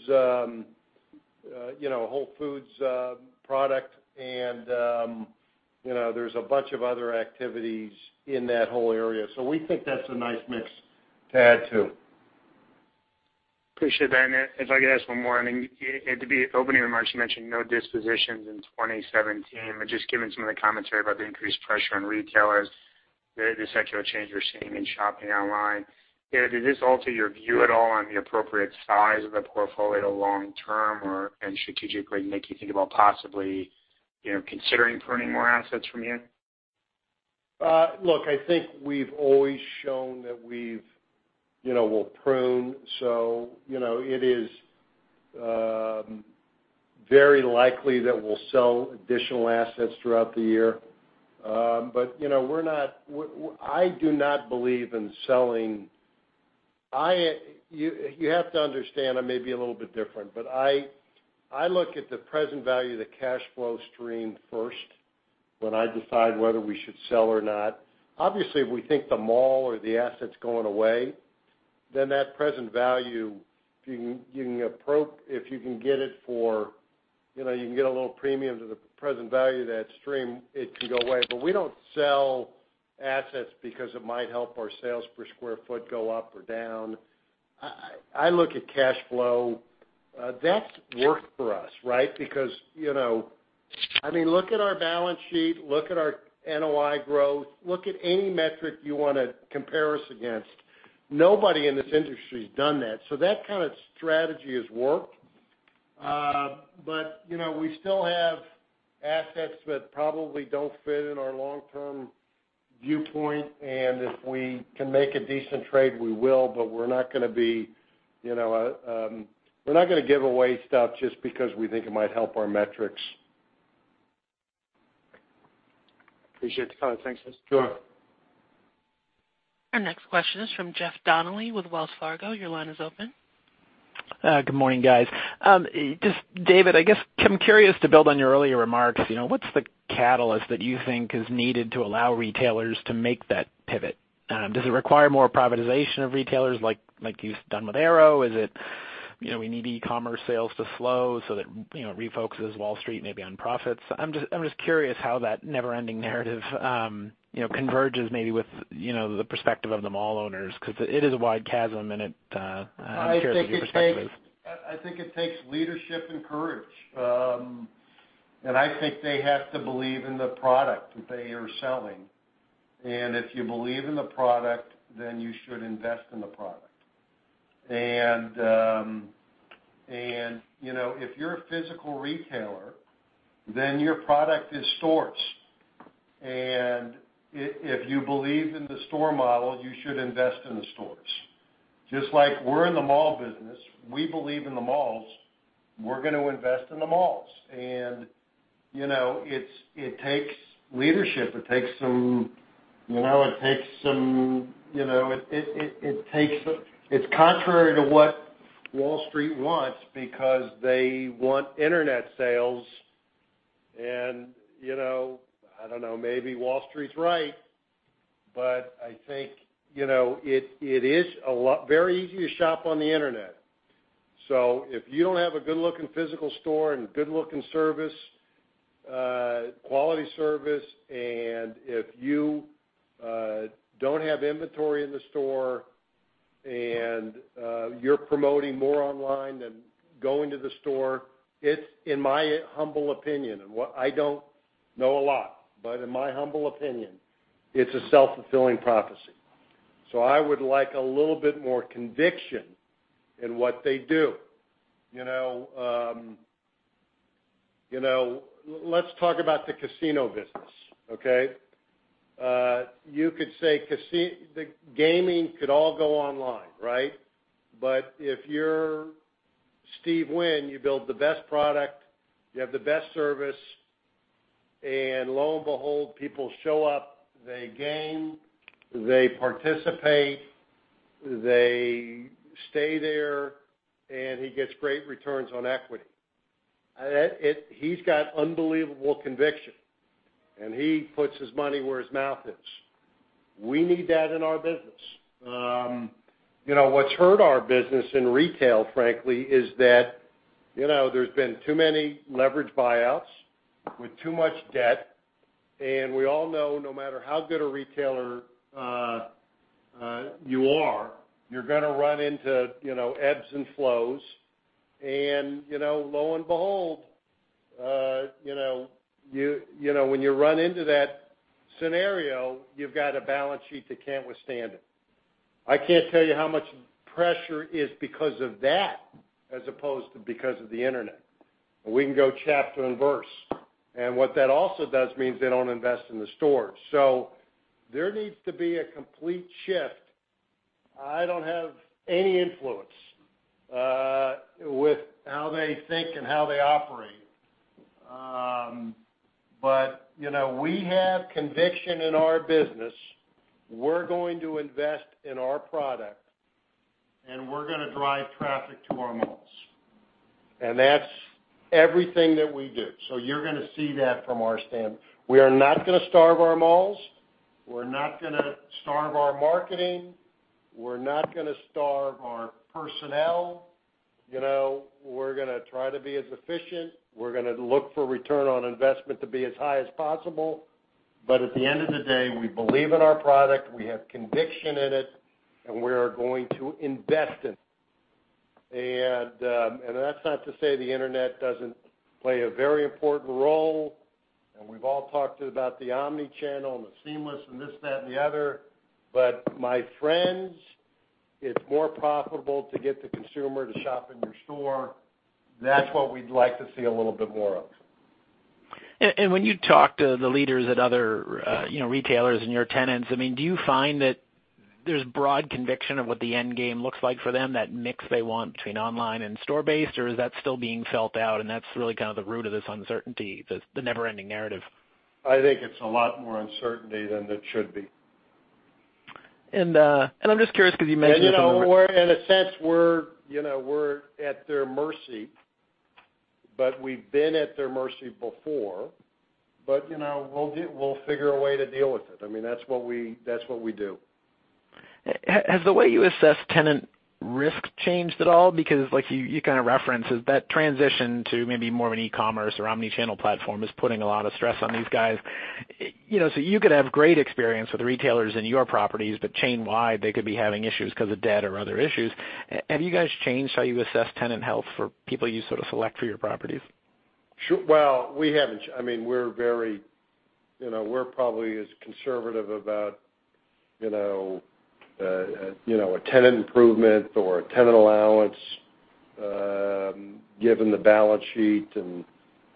product. There's a bunch of other activities in that whole area. We think that's a nice mix to add, too. Appreciate that. If I could ask one more. In the opening remarks, you mentioned no dispositions in 2017, just given some of the commentary about the increased pressure on retailers, the secular change we're seeing in shopping online, does this alter your view at all on the appropriate size of the portfolio long term or strategically make you think about possibly considering pruning more assets from here? Look, I think we've always shown that we'll prune. It is very likely that we'll sell additional assets throughout the year. I do not believe in selling. You have to understand, I may be a little bit different. I look at the present value of the cash flow stream first when I decide whether we should sell or not. Obviously, if we think the mall or the asset's going away, then that present value, if you can get a little premium to the present value of that stream, it could go away. We don't sell assets because it might help our sales per square foot go up or down. I look at cash flow. That's worked for us, right? Look at our balance sheet, look at our NOI growth, look at any metric you want to compare us against. Nobody in this industry has done that. That kind of strategy has worked. We still have assets that probably don't fit in our long-term viewpoint, and if we can make a decent trade, we will, but we're not going to give away stuff just because we think it might help our metrics. Appreciate the color. Thanks, guys. Sure. Our next question is from Geff Donnelly with Wells Fargo. Your line is open. Good morning, guys. Just David, I guess I'm curious to build on your earlier remarks. What's the catalyst that you think is needed to allow retailers to make that pivot? Does it require more privatization of retailers like you've done with Aéropostale? We need e-commerce sales to slow so that it refocuses Wall Street maybe on profits? I'm just curious how that never-ending narrative converges maybe with the perspective of the mall owners, because it is a wide chasm, and I'm curious what your perspective is. I think it takes leadership and courage. I think they have to believe in the product that they are selling. If you believe in the product, then you should invest in the product. If you're a physical retailer, then your product is stores. If you believe in the store model, you should invest in the stores. Just like we're in the mall business, we believe in the malls, we're going to invest in the malls. It takes leadership. It's contrary to what Wall Street wants because they want internet sales. I don't know, maybe Wall Street's right. I think it is very easy to shop on the internet. If you don't have a good-looking physical store and good-looking service, quality service, and if you don't have inventory in the store, and you're promoting more online than going to the store, it's in my humble opinion. What I don't know a lot, in my humble opinion, it's a self-fulfilling prophecy. I would like a little bit more conviction in what they do. Let's talk about the casino business. Okay? You could say the gaming could all go online, right? If you're Steve Wynn, you build the best product, you have the best service, lo and behold, people show up, they game, they participate, they stay there, he gets great returns on equity. He's got unbelievable conviction, he puts his money where his mouth is. We need that in our business. What's hurt our business in retail, frankly, is that there's been too many leverage buyouts with too much debt. We all know, no matter how good a retailer you are, you're going to run into ebbs and flows. Lo and behold, when you run into that scenario, you've got a balance sheet that can't withstand it. I can't tell you how much pressure is because of that as opposed to because of the internet. We can go chapter and verse. What that also does means they don't invest in the stores. There needs to be a complete shift. I don't have any influence with how they think and how they operate. We have conviction in our business. We're going to invest in our product, we're going to drive traffic to our malls. That's everything that we do. You're going to see that from our stand. We are not going to starve our malls. We're not going to starve our marketing. We're not going to starve our personnel. We're going to try to be as efficient. We're going to look for return on investment to be as high as possible. At the end of the day, we believe in our product, we have conviction in it, and we are going to invest in it. That's not to say the internet doesn't play a very important role, and we've all talked about the omni-channel and the seamless and this, that, and the other, but my friends, it's more profitable to get the consumer to shop in your store. That's what we'd like to see a little bit more of. When you talk to the leaders at other retailers and your tenants, do you find that there's broad conviction of what the end game looks like for them, that mix they want between online and store base, or is that still being felt out and that's really kind of the root of this uncertainty, the never-ending narrative? I think it's a lot more uncertainty than it should be. I'm just curious because you mentioned- In a sense, we're at their mercy, we've been at their mercy before, we'll figure a way to deal with it. That's what we do. Has the way you assess tenant risk changed at all because you kind of referenced that transition to maybe more of an e-commerce or omni-channel platform is putting a lot of stress on these guys. You could have great experience with retailers in your properties, but chain-wide, they could be having issues because of debt or other issues. Have you guys changed how you assess tenant health for people you sort of select for your properties? Well, we haven't. We're probably as conservative about a tenant improvement or a tenant allowance given the balance sheet and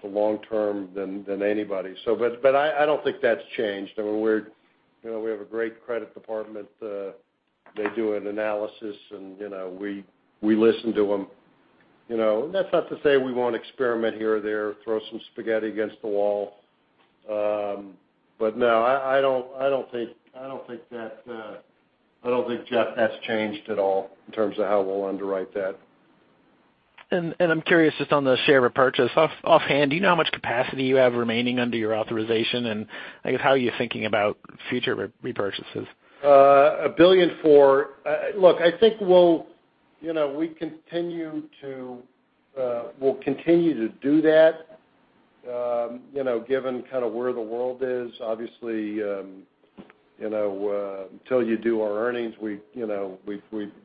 the long term than anybody. I don't think that's changed. We have a great credit department. They do an analysis, and we listen to them. That's not to say we won't experiment here or there, throw some spaghetti against the wall. No, I don't think, Geoff, that's changed at all in terms of how we'll underwrite that. I'm curious just on the share repurchase. Offhand, do you know how much capacity you have remaining under your authorization, and I guess, how are you thinking about future repurchases? A billion for, look, I think we'll continue to do that given kind of where the world is. Obviously, until you do our earnings,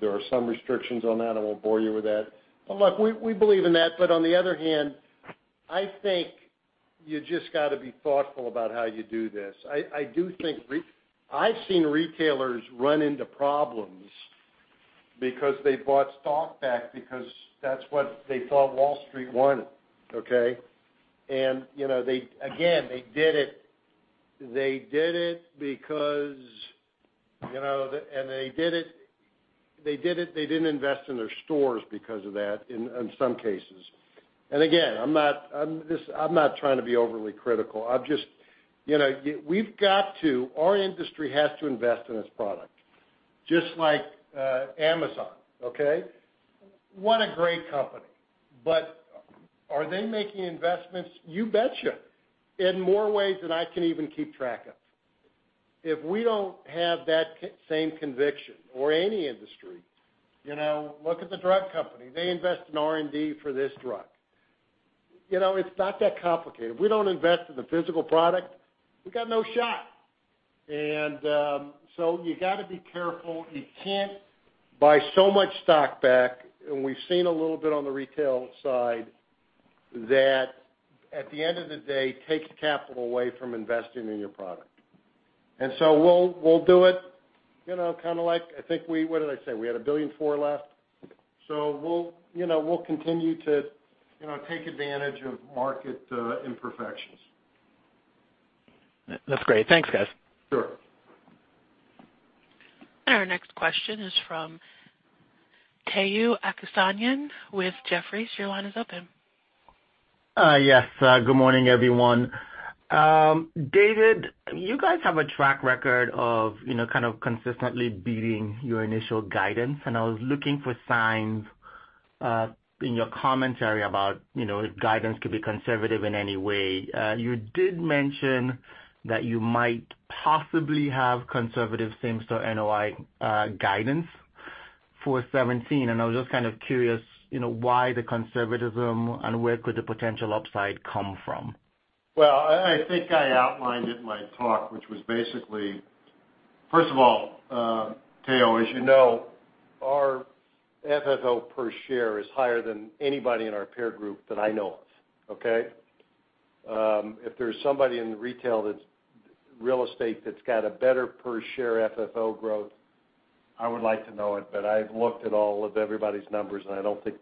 there are some restrictions on that. I won't bore you with that. Look, we believe in that. On the other hand, I think you just got to be thoughtful about how you do this. I've seen retailers run into problems because they bought stock back because that's what they thought Wall Street wanted. Okay. Again, they didn't invest in their stores because of that in some cases. Again, I'm not trying to be overly critical. Our industry has to invest in its product, just like Amazon, okay. What a great company. Are they making investments? You betcha. In more ways than I can even keep track of. If we don't have that same conviction, or any industry. Look at the drug company, they invest in R&D for this drug. It's not that complicated. If we don't invest in the physical product, we got no shot. You got to be careful. You can't buy so much stock back, and we've seen a little bit on the retail side, that at the end of the day, takes capital away from investing in your product. We'll do it, kind of like, I think we what did I say? We had $1.4 billion left. We'll continue to take advantage of market imperfections. That's great. Thanks, guys. Sure. Our next question is from Omotayo Okusanya with Jefferies. Your line is open. Yes. Good morning, everyone. David, you guys have a track record of kind of consistently beating your initial guidance, and I was looking for signs in your commentary about if guidance could be conservative in any way. You did mention that you might possibly have conservative same-store NOI guidance for 2017. I was just kind of curious why the conservatism, and where could the potential upside come from? Well, I think I outlined it in my talk, which was basically First of all, Tayo, as you know, our FFO per share is higher than anybody in our peer group that I know of, okay? If there's somebody in the retail real estate that's got a better per share FFO growth, I would like to know it, but I've looked at all of everybody's numbers, and I don't think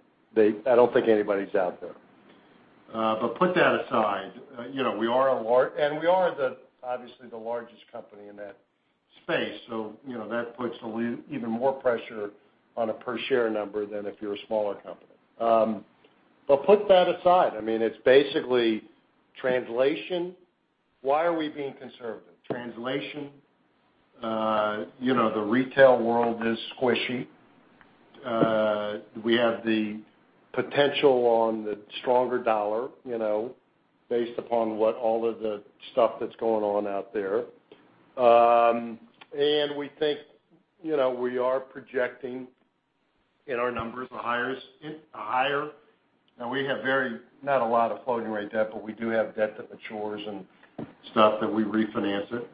anybody's out there. Put that aside. We are obviously the largest company in that space, so that puts even more pressure on a per share number than if you're a smaller company. Put that aside. It's basically translation. Why are we being conservative? Translation. The retail world is squishy. We have the potential on the stronger dollar, based upon what all of the stuff that's going on out there. We think we are projecting in our numbers a higher Now we have not a lot of floating rate debt, but we do have debt that matures and stuff that we refinance it.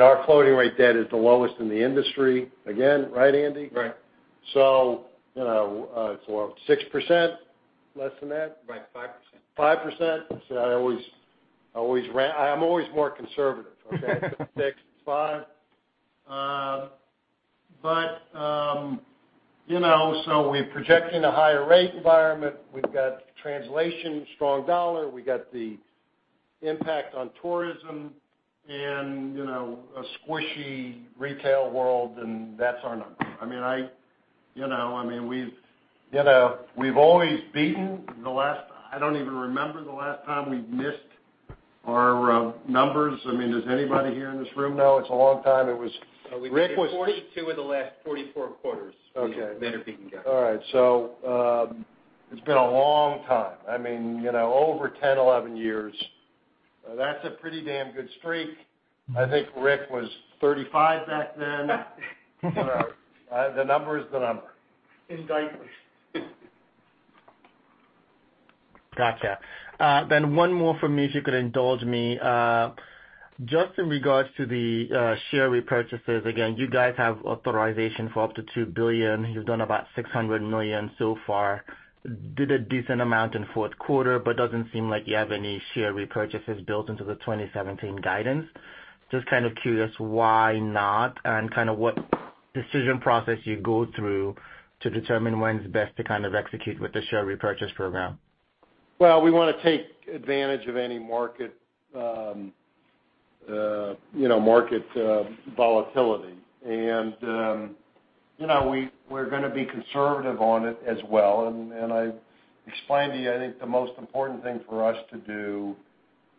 Our floating rate debt is the lowest in the industry, again, right, Andy? Right. It's what? 6%? Less than that? Right. 5%. 5%. See, I'm always more conservative, okay? If it's six, it's five. We're projecting a higher rate environment. We've got translation, strong dollar, we got the impact on tourism, and a squishy retail world, and that's our number. We've always beaten the last I don't even remember the last time we've missed our numbers. Does anybody here in this room know? It's a long time. Rick was- We've made 42 of the last 44 quarters. Okay. We have either beaten or- All right, it's been a long time. Over 10, 11 years. That's a pretty damn good streak. I think Rick was 35 back then. The number's the number. Indict me. Gotcha. One more from me, if you could indulge me. Just in regards to the share repurchases, again, you guys have authorization for up to $2 billion. You've done about $600 million so far. Did a decent amount in fourth quarter, doesn't seem like you have any share repurchases built into the 2017 guidance. Just kind of curious why not, kind of what decision process you go through to determine when it's best to execute with the share repurchase program. Well, we want to take advantage of any market volatility. We're gonna be conservative on it as well, I explained to you, I think the most important thing for us to do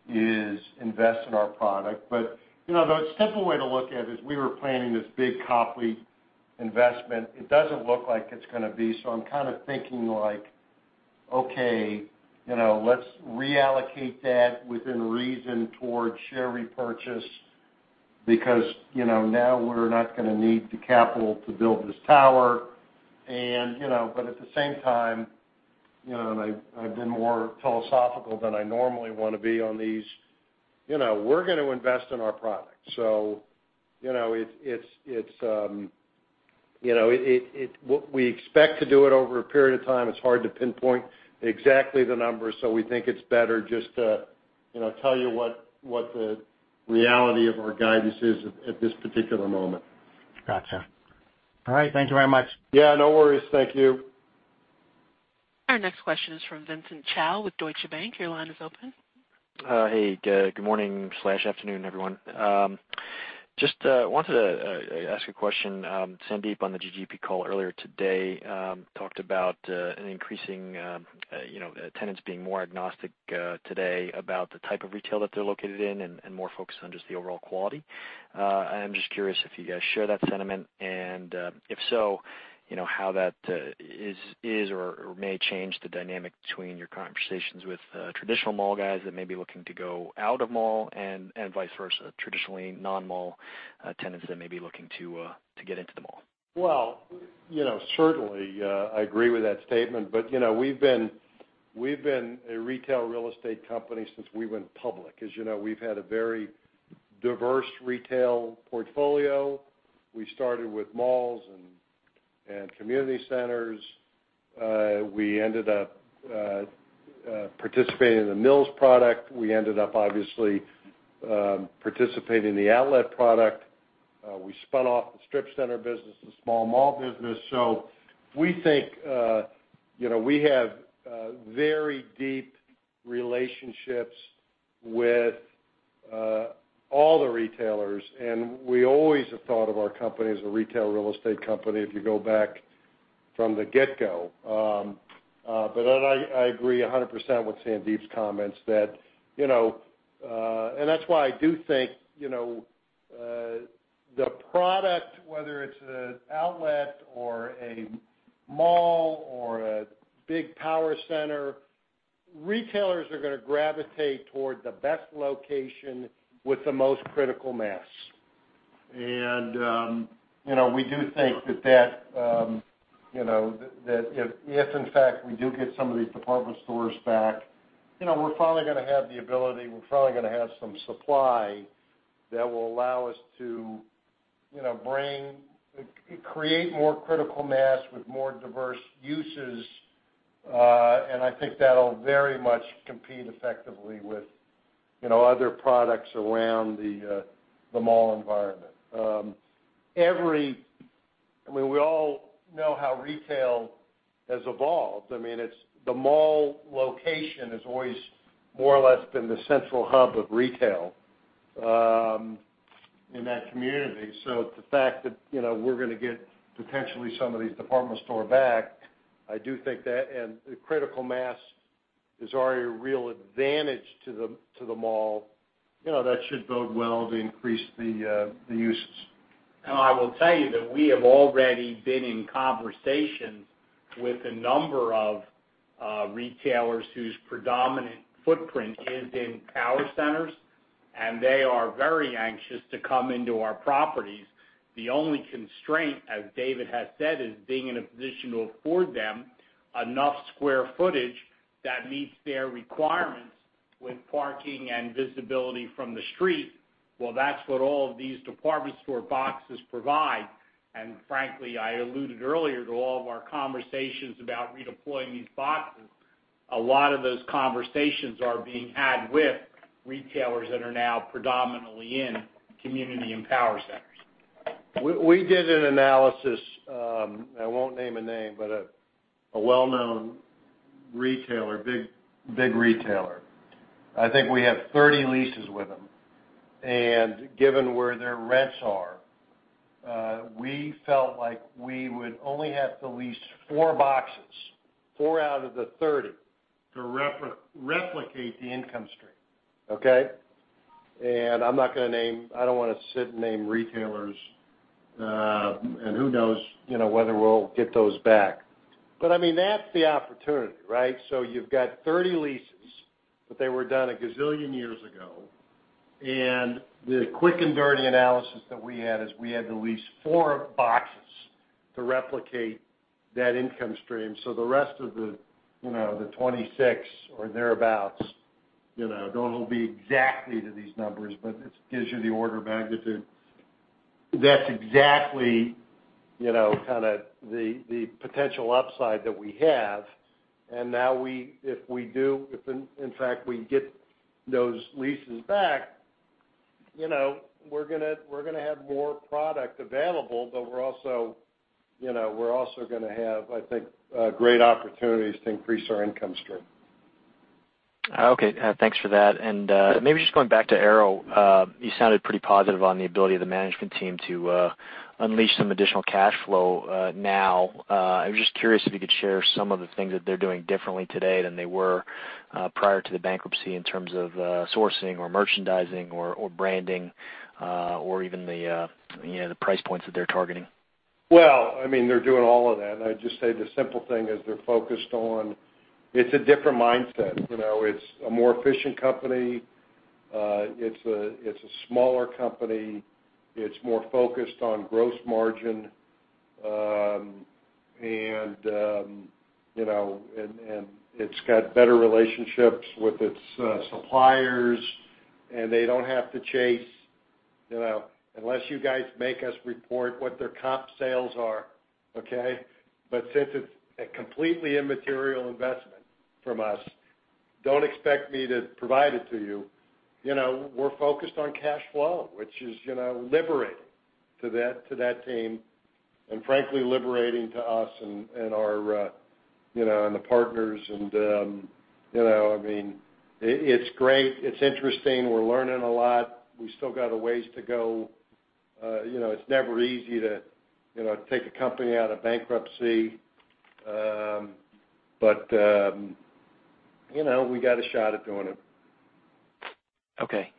is invest in our product. The simple way to look at it is we were planning this big Copley investment. It doesn't look like it's gonna be, I'm kind of thinking like, "Okay, let's reallocate that within reason towards share repurchase," because now we're not gonna need the capital to build this tower. At the same time, I've been more philosophical than I normally want to be on these, we're gonna invest in our product. We expect to do it over a period of time. It's hard to pinpoint exactly the numbers. We think it's better just to tell you what the reality of our guidance is at this particular moment. Gotcha. All right. Thank you very much. Yeah, no worries. Thank you. Our next question is from Vincent Chao with Deutsche Bank. Your line is open. Hey, good morning/afternoon, everyone. Just wanted to ask a question. Sandeep, on the GGP call earlier today, talked about an increasing, tenants being more agnostic today about the type of retail that they're located in and more focused on just the overall quality. I am just curious if you guys share that sentiment, and if so, how that is or may change the dynamic between your conversations with traditional mall guys that may be looking to go out of mall and vice versa. Traditionally, non-mall tenants that may be looking to get into the mall. Well, certainly, I agree with that statement. We've been a retail real estate company since we went public. As you know, we've had a very diverse retail portfolio. We started with malls and community centers. We ended up participating in the Mills product. We ended up obviously participating in the outlet product. We spun off the strip center business, the small mall business. We think we have very deep relationships with all the retailers, and we always have thought of our company as a retail real estate company if you go back from the get-go. I agree 100% with Sandeep's comments that and that's why I do think the product, whether it's an outlet or a mall or a big power center, retailers are going to gravitate toward the best location with the most critical mass. We do think that if, in fact, we do get some of these department stores back, we're finally going to have the ability, we're finally going to have some supply that will allow us to bring, create more critical mass with more diverse uses. I think that'll very much compete effectively with other products around the mall environment. I mean, we all know how retail has evolved. I mean, it's the mall location has always more or less been the central hub of retail, in that community. The fact that we're going to get potentially some of these department store back, I do think that, and the critical mass is already a real advantage to the mall. That should bode well to increase the uses. I will tell you that we have already been in conversations with a number of retailers whose predominant footprint is in power centers, and they are very anxious to come into our properties. The only constraint, as David Simon has said, is being in a position to afford them enough square footage that meets their requirements with parking and visibility from the street. Well, that's what all of these department store boxes provide. Frankly, I alluded earlier to all of our conversations about redeploying these boxes. A lot of those conversations are being had with retailers that are now predominantly in community and power centers. We did an analysis, I won't name a name, but a well-known retailer, big retailer. I think we have 30 leases with them. Given where their rents are, we felt like we would only have to lease 4 boxes, 4 out of the 30, to replicate the income stream. Okay. I'm not going to name— I don't want to sit and name retailers. Who knows whether we'll get those back. I mean, that's the opportunity, right? You've got 30 leases, but they were done a gazillion years ago. The quick and dirty analysis that we had is we had to lease 4 boxes to replicate that income stream. The rest of the 26 or thereabouts, don't hold me exactly to these numbers, but it gives you the order of magnitude. That's exactly, kind of the potential upside that we have. Now we, if we do, if in fact we get those leases back, we're going to have more product available, but we're also going to have, I think, great opportunities to increase our income stream. Okay, thanks for that. Maybe just going back to Aéropostale. You sounded pretty positive on the ability of the management team to unleash some additional cash flow now. I was just curious if you could share some of the things that they're doing differently today than they were prior to the bankruptcy in terms of sourcing or merchandising or branding, or even the price points that they're targeting. Well, I mean, they're doing all of that. I'd just say the simple thing is they're focused on it's a different mindset. It's a more efficient company. It's a smaller company. It's more focused on gross margin. It's got better relationships with its suppliers, and they don't have to chase, unless you guys make us report what their comp sales are, okay? Since it's a completely immaterial investment from us, don't expect me to provide it to you. We're focused on cash flow, which is liberating to that team, and frankly, liberating to us and the partners. It's great. It's interesting. We're learning a lot. We still got a ways to go. It's never easy to take a company out of bankruptcy. We got a shot at doing it. Okay.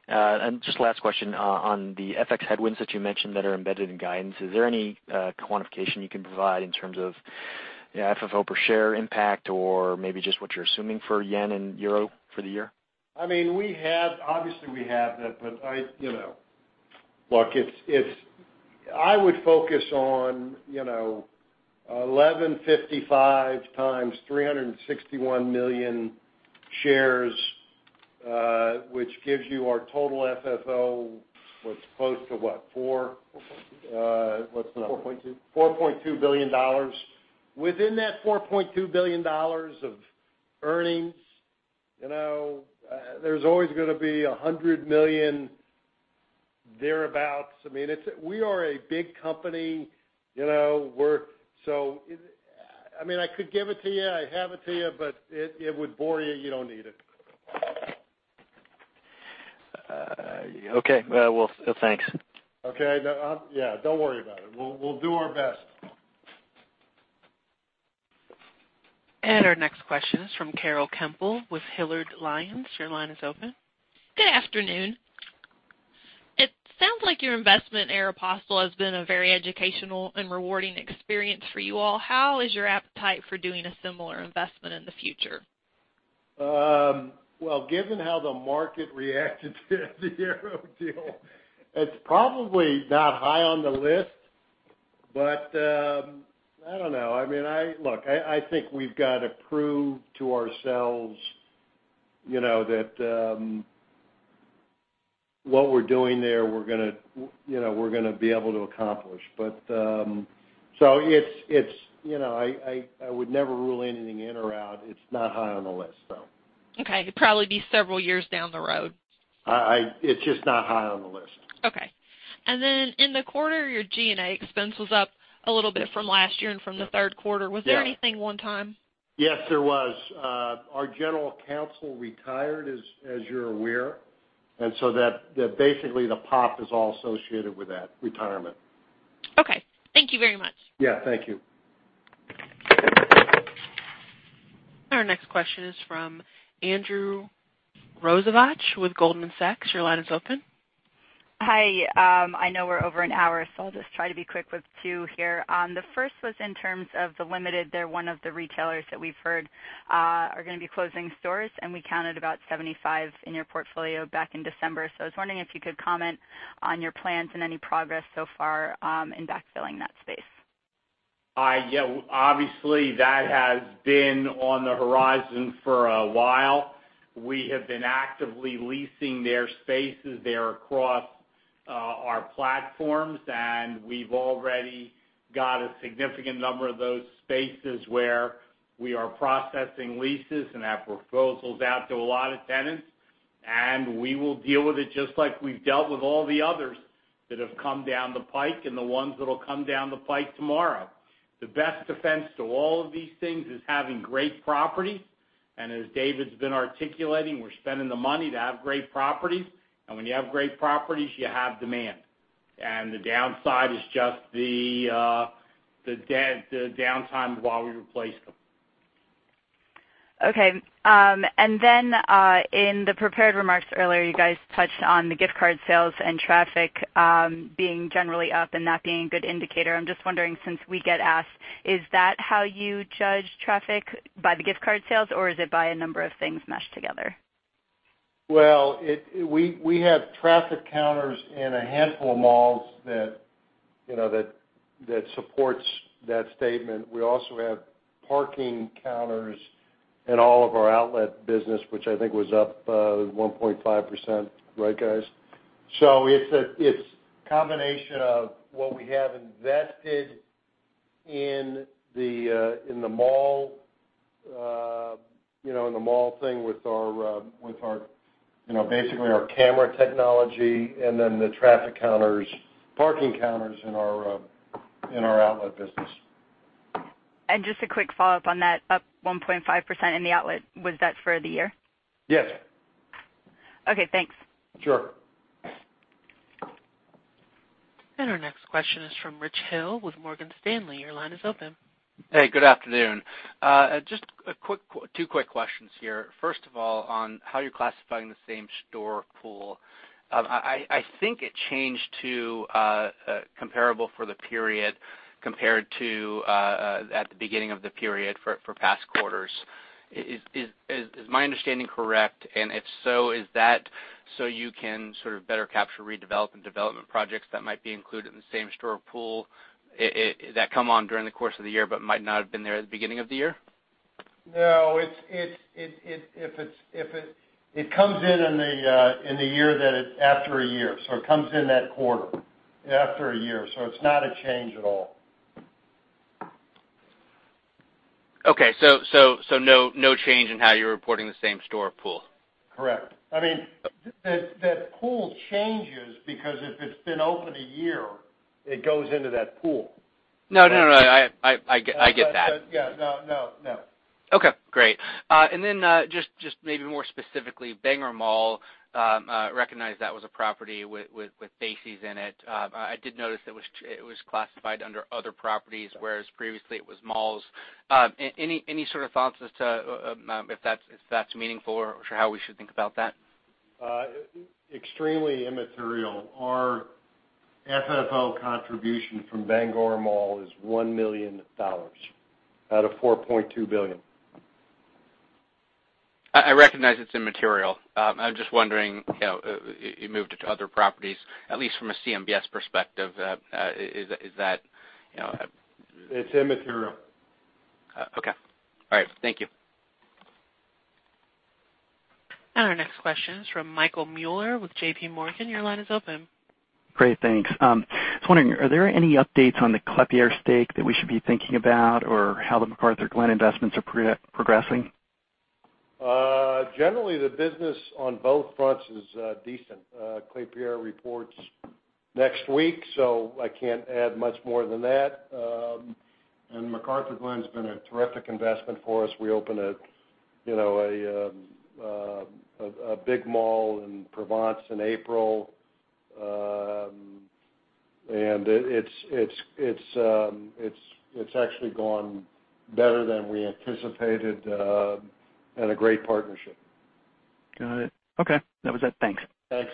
Just last question on the FX headwinds that you mentioned that are embedded in guidance, is there any quantification you can provide in terms of FFO per share impact or maybe just what you're assuming for yen and euro for the year? Obviously, we have that. Look, I would focus on 1,155 times 361 million shares, which gives you our total FFO, was close to what? 4.2. What's the number? $4.2. $4.2 billion. Within that $4.2 billion of earnings, there's always going to be $100 million thereabout. We are a big company. I could give it to you, I have it to you, but it would bore you. You don't need it. Okay. Well, thanks. Okay. Yeah, don't worry about it. We'll do our best. Our next question is from Carol Kemple with Hilliard Lyons. Your line is open. Good afternoon. It sounds like your investment in Aéropostale has been a very educational and rewarding experience for you all. How is your appetite for doing a similar investment in the future? Well, given how the market reacted to the Aéropostale deal, it's probably not high on the list. I don't know. Look, I think we've got to prove to ourselves that what we're doing there, we're going to be able to accomplish. I would never rule anything in or out. It's not high on the list, though. Okay. It'd probably be several years down the road. It's just not high on the list. Okay. Then in the quarter, your G&A expense was up a little bit from last year and from the third quarter. Yeah. Was there anything one time? Yes, there was. Our general counsel retired, as you're aware. Basically, the pop is all associated with that retirement. Okay. Thank you very much. Yeah, thank you. Our next question is from Andrew Rosivach with Goldman Sachs. Your line is open. Hi. I know we're over an hour, I'll just try to be quick with two here. The first was in terms of The Limited. They're one of the retailers that we've heard are going to be closing stores, and we counted about 75 in your portfolio back in December. I was wondering if you could comment on your plans and any progress so far in backfilling that space. Obviously, that has been on the horizon for a while. We have been actively leasing their spaces there across our platforms, and we've already got a significant number of those spaces where we are processing leases and have proposals out to a lot of tenants, and we will deal with it just like we've dealt with all the others that have come down the pike and the ones that'll come down the pike tomorrow. The best defense to all of these things is having great property. As David's been articulating, we're spending the money to have great properties, and when you have great properties, you have demand. The downside is just the downtime while we replace them. Okay. In the prepared remarks earlier, you guys touched on the gift card sales and traffic being generally up and that being a good indicator. I'm just wondering, since we get asked, is that how you judge traffic by the gift card sales, or is it by a number of things meshed together? We have traffic counters in a handful of malls that supports that statement. We also have parking counters in all of our outlet business, which I think was up 1.5%. Right, guys? It's a combination of what we have invested in the mall thing with basically our camera technology and then the traffic counters, parking counters in our outlet business. Just a quick follow-up on that up 1.5% in the outlet. Was that for the year? Yes. Okay, thanks. Sure. Our next question is from Rich Hill with Morgan Stanley. Your line is open. Hey, good afternoon. Just two quick questions here. First of all, on how you're classifying the same-store pool. I think it changed to comparable for the period compared to at the beginning of the period for past quarters. Is my understanding correct? If so, is that so you can sort of better capture redevelop and development projects that might be included in the same-store pool that come on during the course of the year but might not have been there at the beginning of the year? No, it comes in the year that it's after a year. It comes in that quarter after a year. It's not a change at all. Okay. No change in how you're reporting the same-store pool? Correct. That pool changes because if it's been open a year, it goes into that pool. No, I get that. Yeah. No. Okay, great. Then, just maybe more specifically, Bangor Mall, recognize that was a property with big boxes in it. I did notice it was classified under other properties, whereas previously it was malls. Any sort of thoughts as to if that's meaningful, or how we should think about that? Extremely immaterial. Our FFO contribution from Bangor Mall is $1 million out of $4.2 billion. I recognize it's immaterial. I'm just wondering, you moved to other properties, at least from a CMBS perspective, is that? It's immaterial. Okay. All right. Thank you. Our next question is from Michael Mueller with JPMorgan. Your line is open. Great. Thanks. I was wondering, are there any updates on the Klépierre stake that we should be thinking about, or how the McArthurGlen investments are progressing? Generally, the business on both fronts is decent. Klépierre reports next week, so I can't add much more than that. McArthurGlen's been a terrific investment for us. We opened a big mall in Provence in April, and it's actually gone better than we anticipated, and a great partnership. Got it. Okay. That was it. Thanks. Thanks.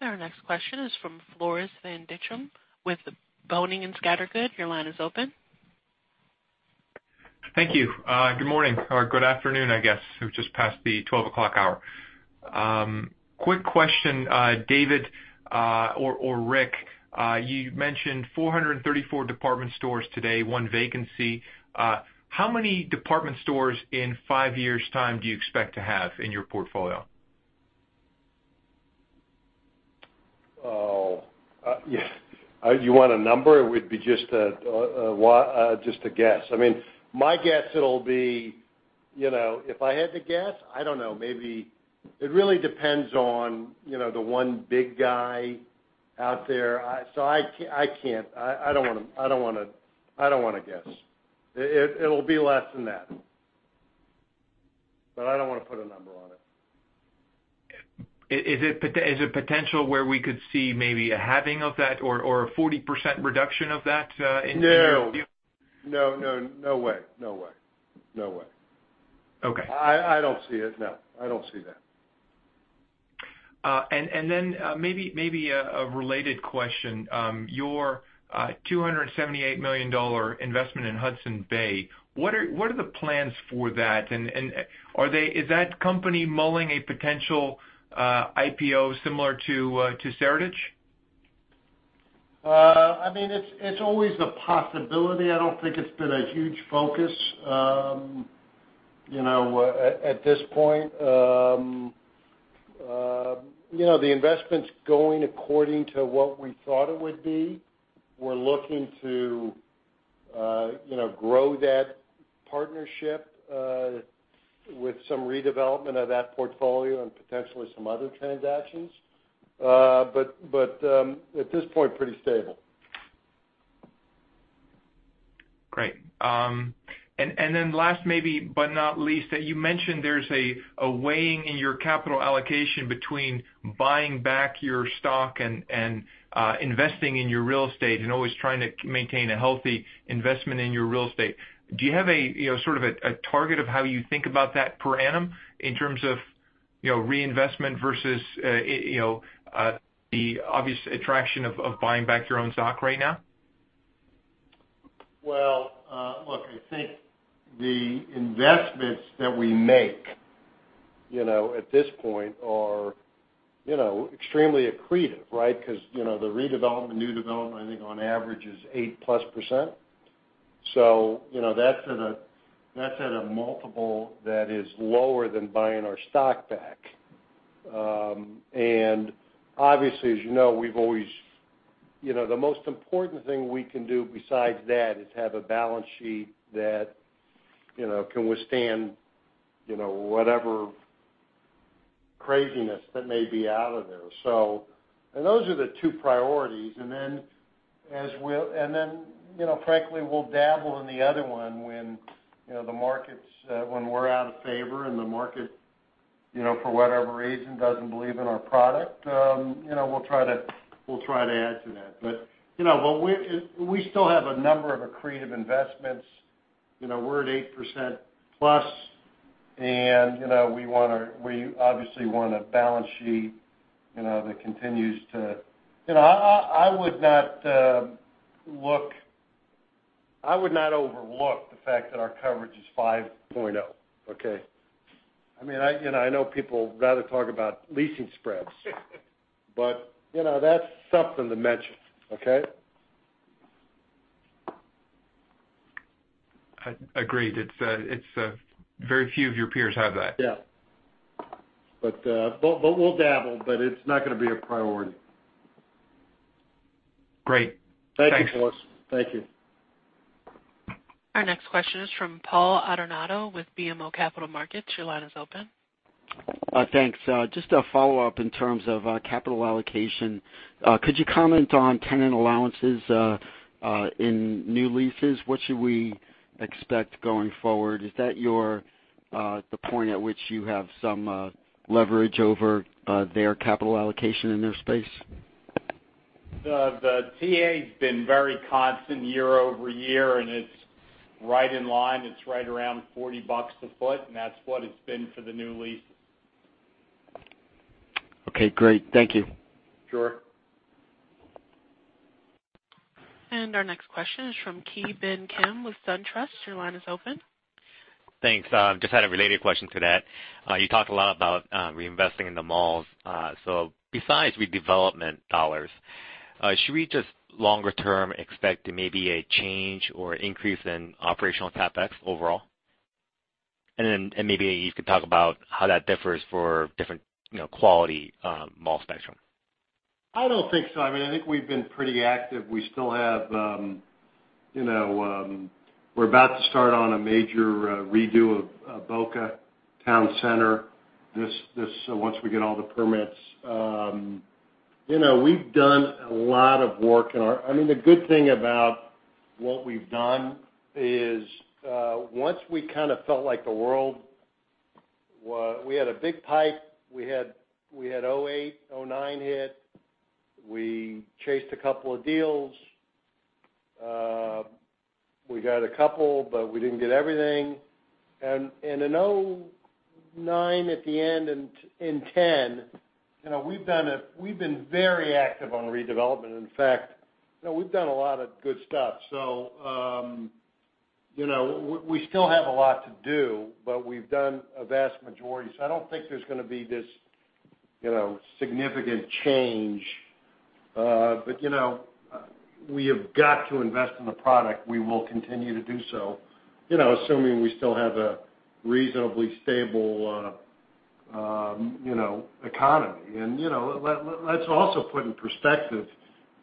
Our next question is from Floris van Dijkum with Boenning & Scattergood. Your line is open. Thank you. Good morning, or good afternoon, I guess. It just passed the 12:00 hour. Quick question. David or Rick, you mentioned 434 department stores today, one vacancy. How many department stores in five years' time do you expect to have in your portfolio? You want a number? It would be just a guess. My guess it'll be, if I had to guess, I don't know, it really depends on the one big guy out there. I don't want to guess. It'll be less than that. I don't want to put a number on it. Is it potential where we could see maybe a halving of that or a 40% reduction of that in- No. No way. Okay. I don't see it, no. I don't see that. Then, maybe a related question. Your $278 million investment in Hudson's Bay, what are the plans for that? Is that company mulling a potential IPO similar to Seritage? It's always a possibility. I don't think it's been a huge focus, at this point. The investment's going according to what we thought it would be. We're looking to grow that partnership, with some redevelopment of that portfolio and potentially some other transactions. At this point, pretty stable. Great. Then last, maybe, not least, you mentioned there's a weighing in your capital allocation between buying back your stock and investing in your real estate and always trying to maintain a healthy investment in your real estate. Do you have a sort of a target of how you think about that per annum in terms of reinvestment versus the obvious attraction of buying back your own stock right now? I think the investments that we make at this point are extremely accretive, right. The redevelopment, new development, on average is 8%+. That's at a multiple that is lower than buying our stock back. Obviously, as you know, the most important thing we can do besides that is have a balance sheet that can withstand whatever craziness that may be out of there. Those are the two priorities. Then, frankly, we'll dabble in the other one when we're out of favor and the market, for whatever reason, doesn't believe in our product. We'll try to add to that. We still have a number of accretive investments. We're at 8%+, and we obviously want a balance sheet that continues to. I would not overlook the fact that our coverage is 5.0, okay. I know people rather talk about leasing spreads, That's something to mention, okay. Agreed. Very few of your peers have that. Yeah. We'll dabble, It's not going to be a priority. Great. Thank you, Floris. Thank you. Our next question is from Paul Adornato with BMO Capital Markets. Your line is open. Thanks. Just a follow-up in terms of capital allocation. Could you comment on tenant allowances in new leases? What should we expect going forward? Is that the point at which you have some leverage over their capital allocation in their space? The TA's been very constant year-over-year. It's right in line. It's right around $40 a foot. That's what it's been for the new leases. Okay, great. Thank you. Sure. Our next question is from Ki Bin Kim with SunTrust. Your line is open. Thanks. Just had a related question to that. You talked a lot about reinvesting in the malls. Besides redevelopment dollars, should we just longer term expect maybe a change or increase in operational CapEx overall? Then maybe you could talk about how that differs for different quality mall spectrum. I don't think so. I think we've been pretty active. We're about to start on a major redo of Boca Town Center, once we get all the permits. We've done a lot of work and the good thing about what we've done is once we kind of felt like the world We had a big pipe. We had 2008, 2009 hit. We chased a couple of deals. We got a couple, but we didn't get everything. In 2009, at the end, and 2010, we've been very active on redevelopment. In fact, we've done a lot of good stuff. We still have a lot to do, but we've done a vast majority. I don't think there's going to be this significant change. We have got to invest in the product. We will continue to do so, assuming we still have a reasonably stable economy. Let's also put in perspective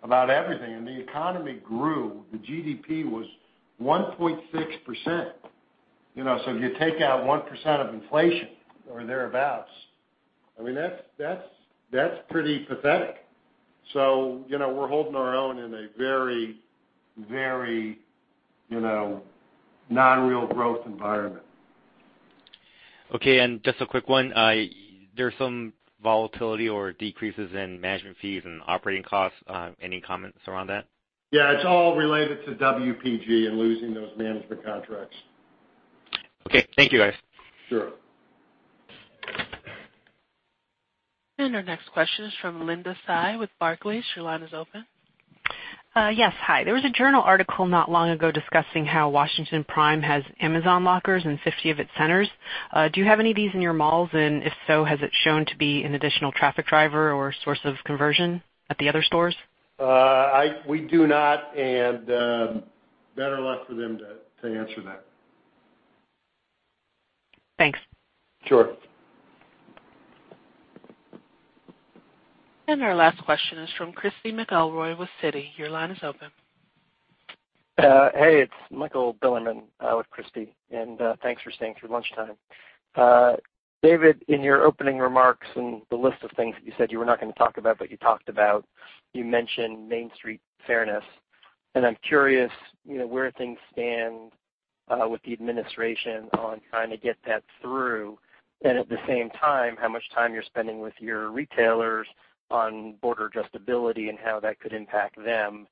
about everything, and the economy grew. The GDP was 1.6%. If you take out 1% of inflation or thereabouts, that's pretty pathetic. We're holding our own in a very non-real growth environment. Okay, just a quick one. There's some volatility or decreases in management fees and operating costs. Any comments around that? Yeah, it's all related to WPG and losing those management contracts. Okay. Thank you, guys. Sure. Our next question is from Linda Tsai with Barclays. Your line is open. Yes. Hi. There was a journal article not long ago discussing how Washington Prime has Amazon lockers in 50 of its centers. Do you have any of these in your malls? If so, has it shown to be an additional traffic driver or source of conversion at the other stores? We do not. Better luck for them to answer that. Thanks. Sure. Our last question is from Christy McElroy with Citi. Your line is open. Hey, it's Michael Bilerman with Christy, thanks for staying through lunchtime. David, in your opening remarks and the list of things that you said you were not going to talk about, but you talked about, you mentioned Marketplace Fairness Act. I'm curious where things stand with the administration on trying to get that through, and at the same time, how much time you're spending with your retailers on border adjustability and how that could impact them.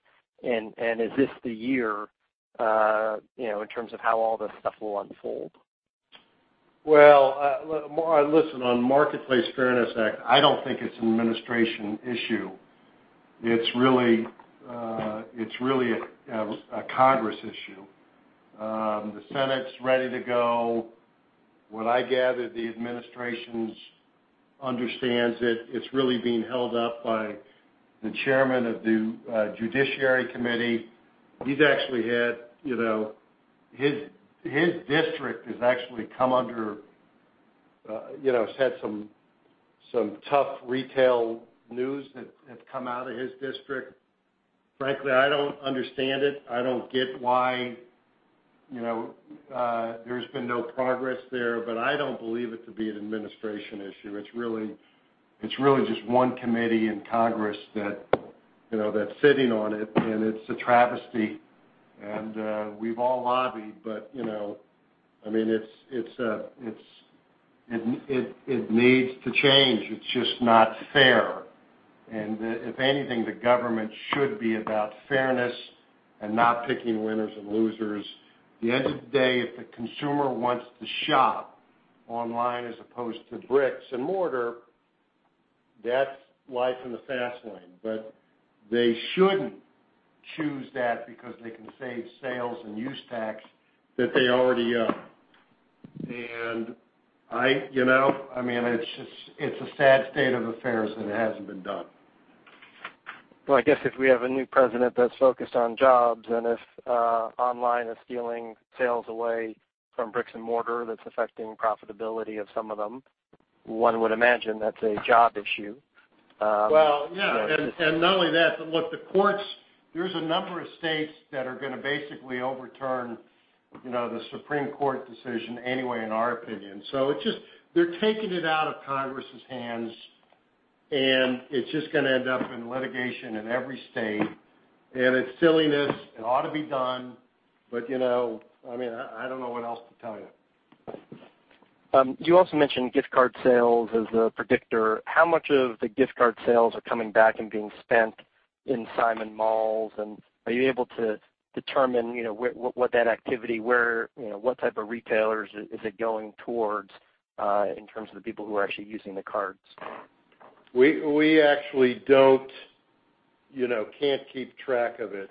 Is this the year, in terms of how all this stuff will unfold? Well, listen, on Marketplace Fairness Act, I don't think it's an administration issue. It's really a Congress issue. The Senate's ready to go. What I gather, the administration understands it. It's really being held up by the chairman of the Judiciary Committee. His district has had some tough retail news that has come out of his district. Frankly, I don't understand it. I don't get why there's been no progress there, but I don't believe it to be an administration issue. It's really just one committee in Congress that's sitting on it. It's a travesty, and we've all lobbied, but it needs to change. It's just not fair. If anything, the government should be about fairness and not picking winners and losers. At the end of the day, if the consumer wants to shop online as opposed to bricks and mortar, that's life in the fast lane. They shouldn't choose that because they can save sales and use tax that they already owe. It's a sad state of affairs that it hasn't been done. Well, I guess if we have a new president that's focused on jobs, and if online is stealing sales away from bricks and mortar that's affecting profitability of some of them, one would imagine that's a job issue. Well, yeah. Not only that, but look, the courts, there's a number of states that are going to basically overturn the Supreme Court decision anyway, in our opinion. They're taking it out of Congress's hands, and it's just going to end up in litigation in every state. It's silliness. It ought to be done. I don't know what else to tell you. You also mentioned gift card sales as a predictor. How much of the gift card sales are coming back and being spent in Simon malls? Are you able to determine what that activity, what type of retailers is it going towards, in terms of the people who are actually using the cards? We actually can't keep track of it.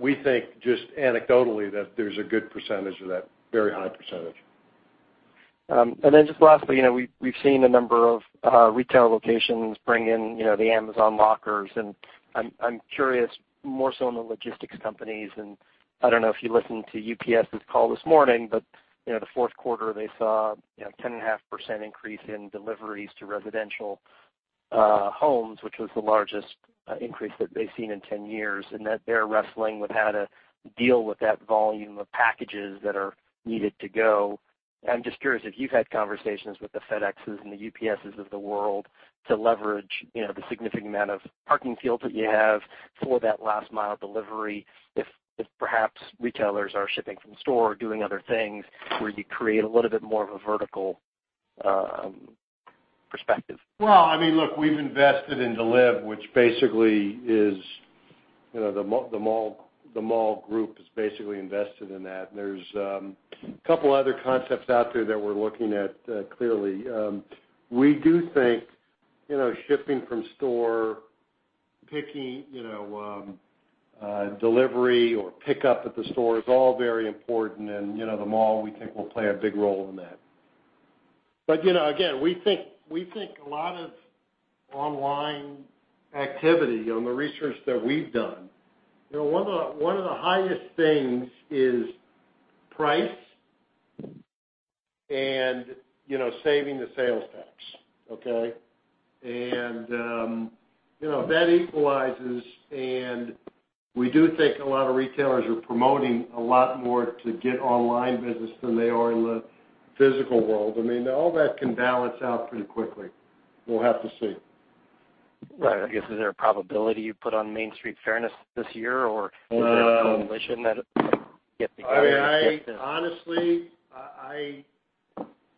We think just anecdotally that there's a good percentage of that, very high percentage. Lastly, we've seen a number of retail locations bring in the Amazon lockers, and I'm curious more so on the logistics companies. I don't know if you listened to UPS's call this morning, the fourth quarter, they saw a 10.5% increase in deliveries to residential homes, which was the largest increase that they've seen in 10 years, and that they're wrestling with how to deal with that volume of packages that are needed to go. I'm just curious if you've had conversations with the FedExes and the UPSs of the world to leverage the significant amount of parking fields that you have for that last mile delivery, if perhaps retailers are shipping from store or doing other things where you create a little bit more of a vertical perspective. Well, look, we've invested in Deliv, which basically is the mall group is basically invested in that. There's a couple other concepts out there that we're looking at, clearly. We do think shipping from store, delivery or pickup at the store is all very important, and the mall, we think, will play a big role in that. Again, we think a lot of online activity on the research that we've done, one of the highest things is price and saving the sales tax. Okay? That equalizes, we do think a lot of retailers are promoting a lot more to get online business than they are in the physical world. All that can balance out pretty quickly. We'll have to see. Right. I guess, is there a probability you put on Marketplace Fairness Act this year or is there a coalition that will get together to get this. Honestly, I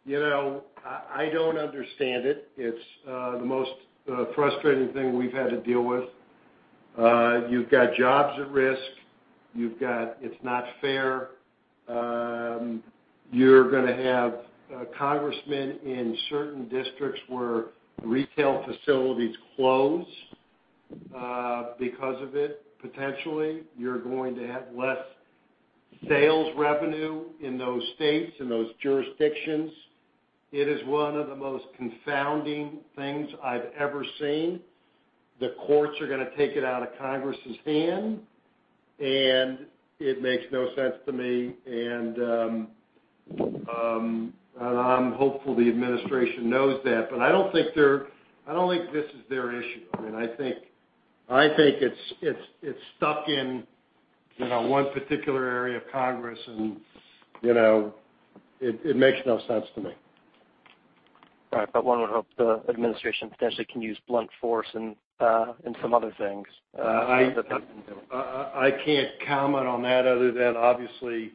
don't understand it. It's the most frustrating thing we've had to deal with. You've got jobs at risk. It's not fair. You're going to have congressmen in certain districts where retail facilities close because of it, potentially. You're going to have less sales revenue in those states, in those jurisdictions. It is one of the most confounding things I've ever seen. The courts are going to take it out of Congress's hand. It makes no sense to me. I'm hopeful the administration knows that, I don't think this is their issue. I think it's stuck in one particular area of Congress. It makes no sense to me. Right. One would hope the administration potentially can use blunt force in some other things. I can't comment on that other than obviously,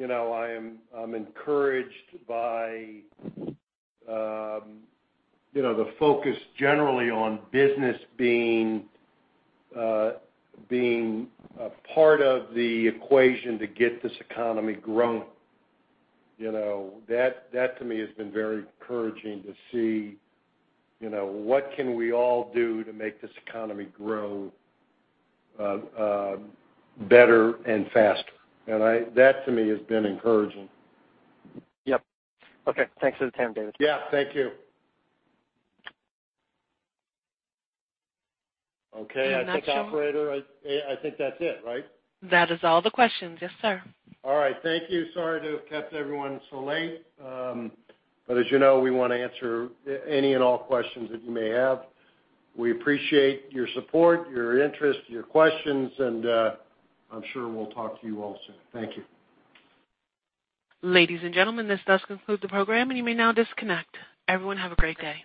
I'm encouraged by the focus generally on business being a part of the equation to get this economy growing. That, to me, has been very encouraging to see, what can we all do to make this economy grow better and faster? That, to me, has been encouraging. Yep. Okay. Thanks for the time, David. Yeah. Thank you. Okay, I think operator, I think that's it, right? That is all the questions. Yes, sir. All right. Thank you. Sorry to have kept everyone so late. As you know, we want to answer any and all questions that you may have. We appreciate your support, your interest, your questions, and I'm sure we'll talk to you all soon. Thank you. Ladies and gentlemen, this does conclude the program, and you may now disconnect. Everyone, have a great day.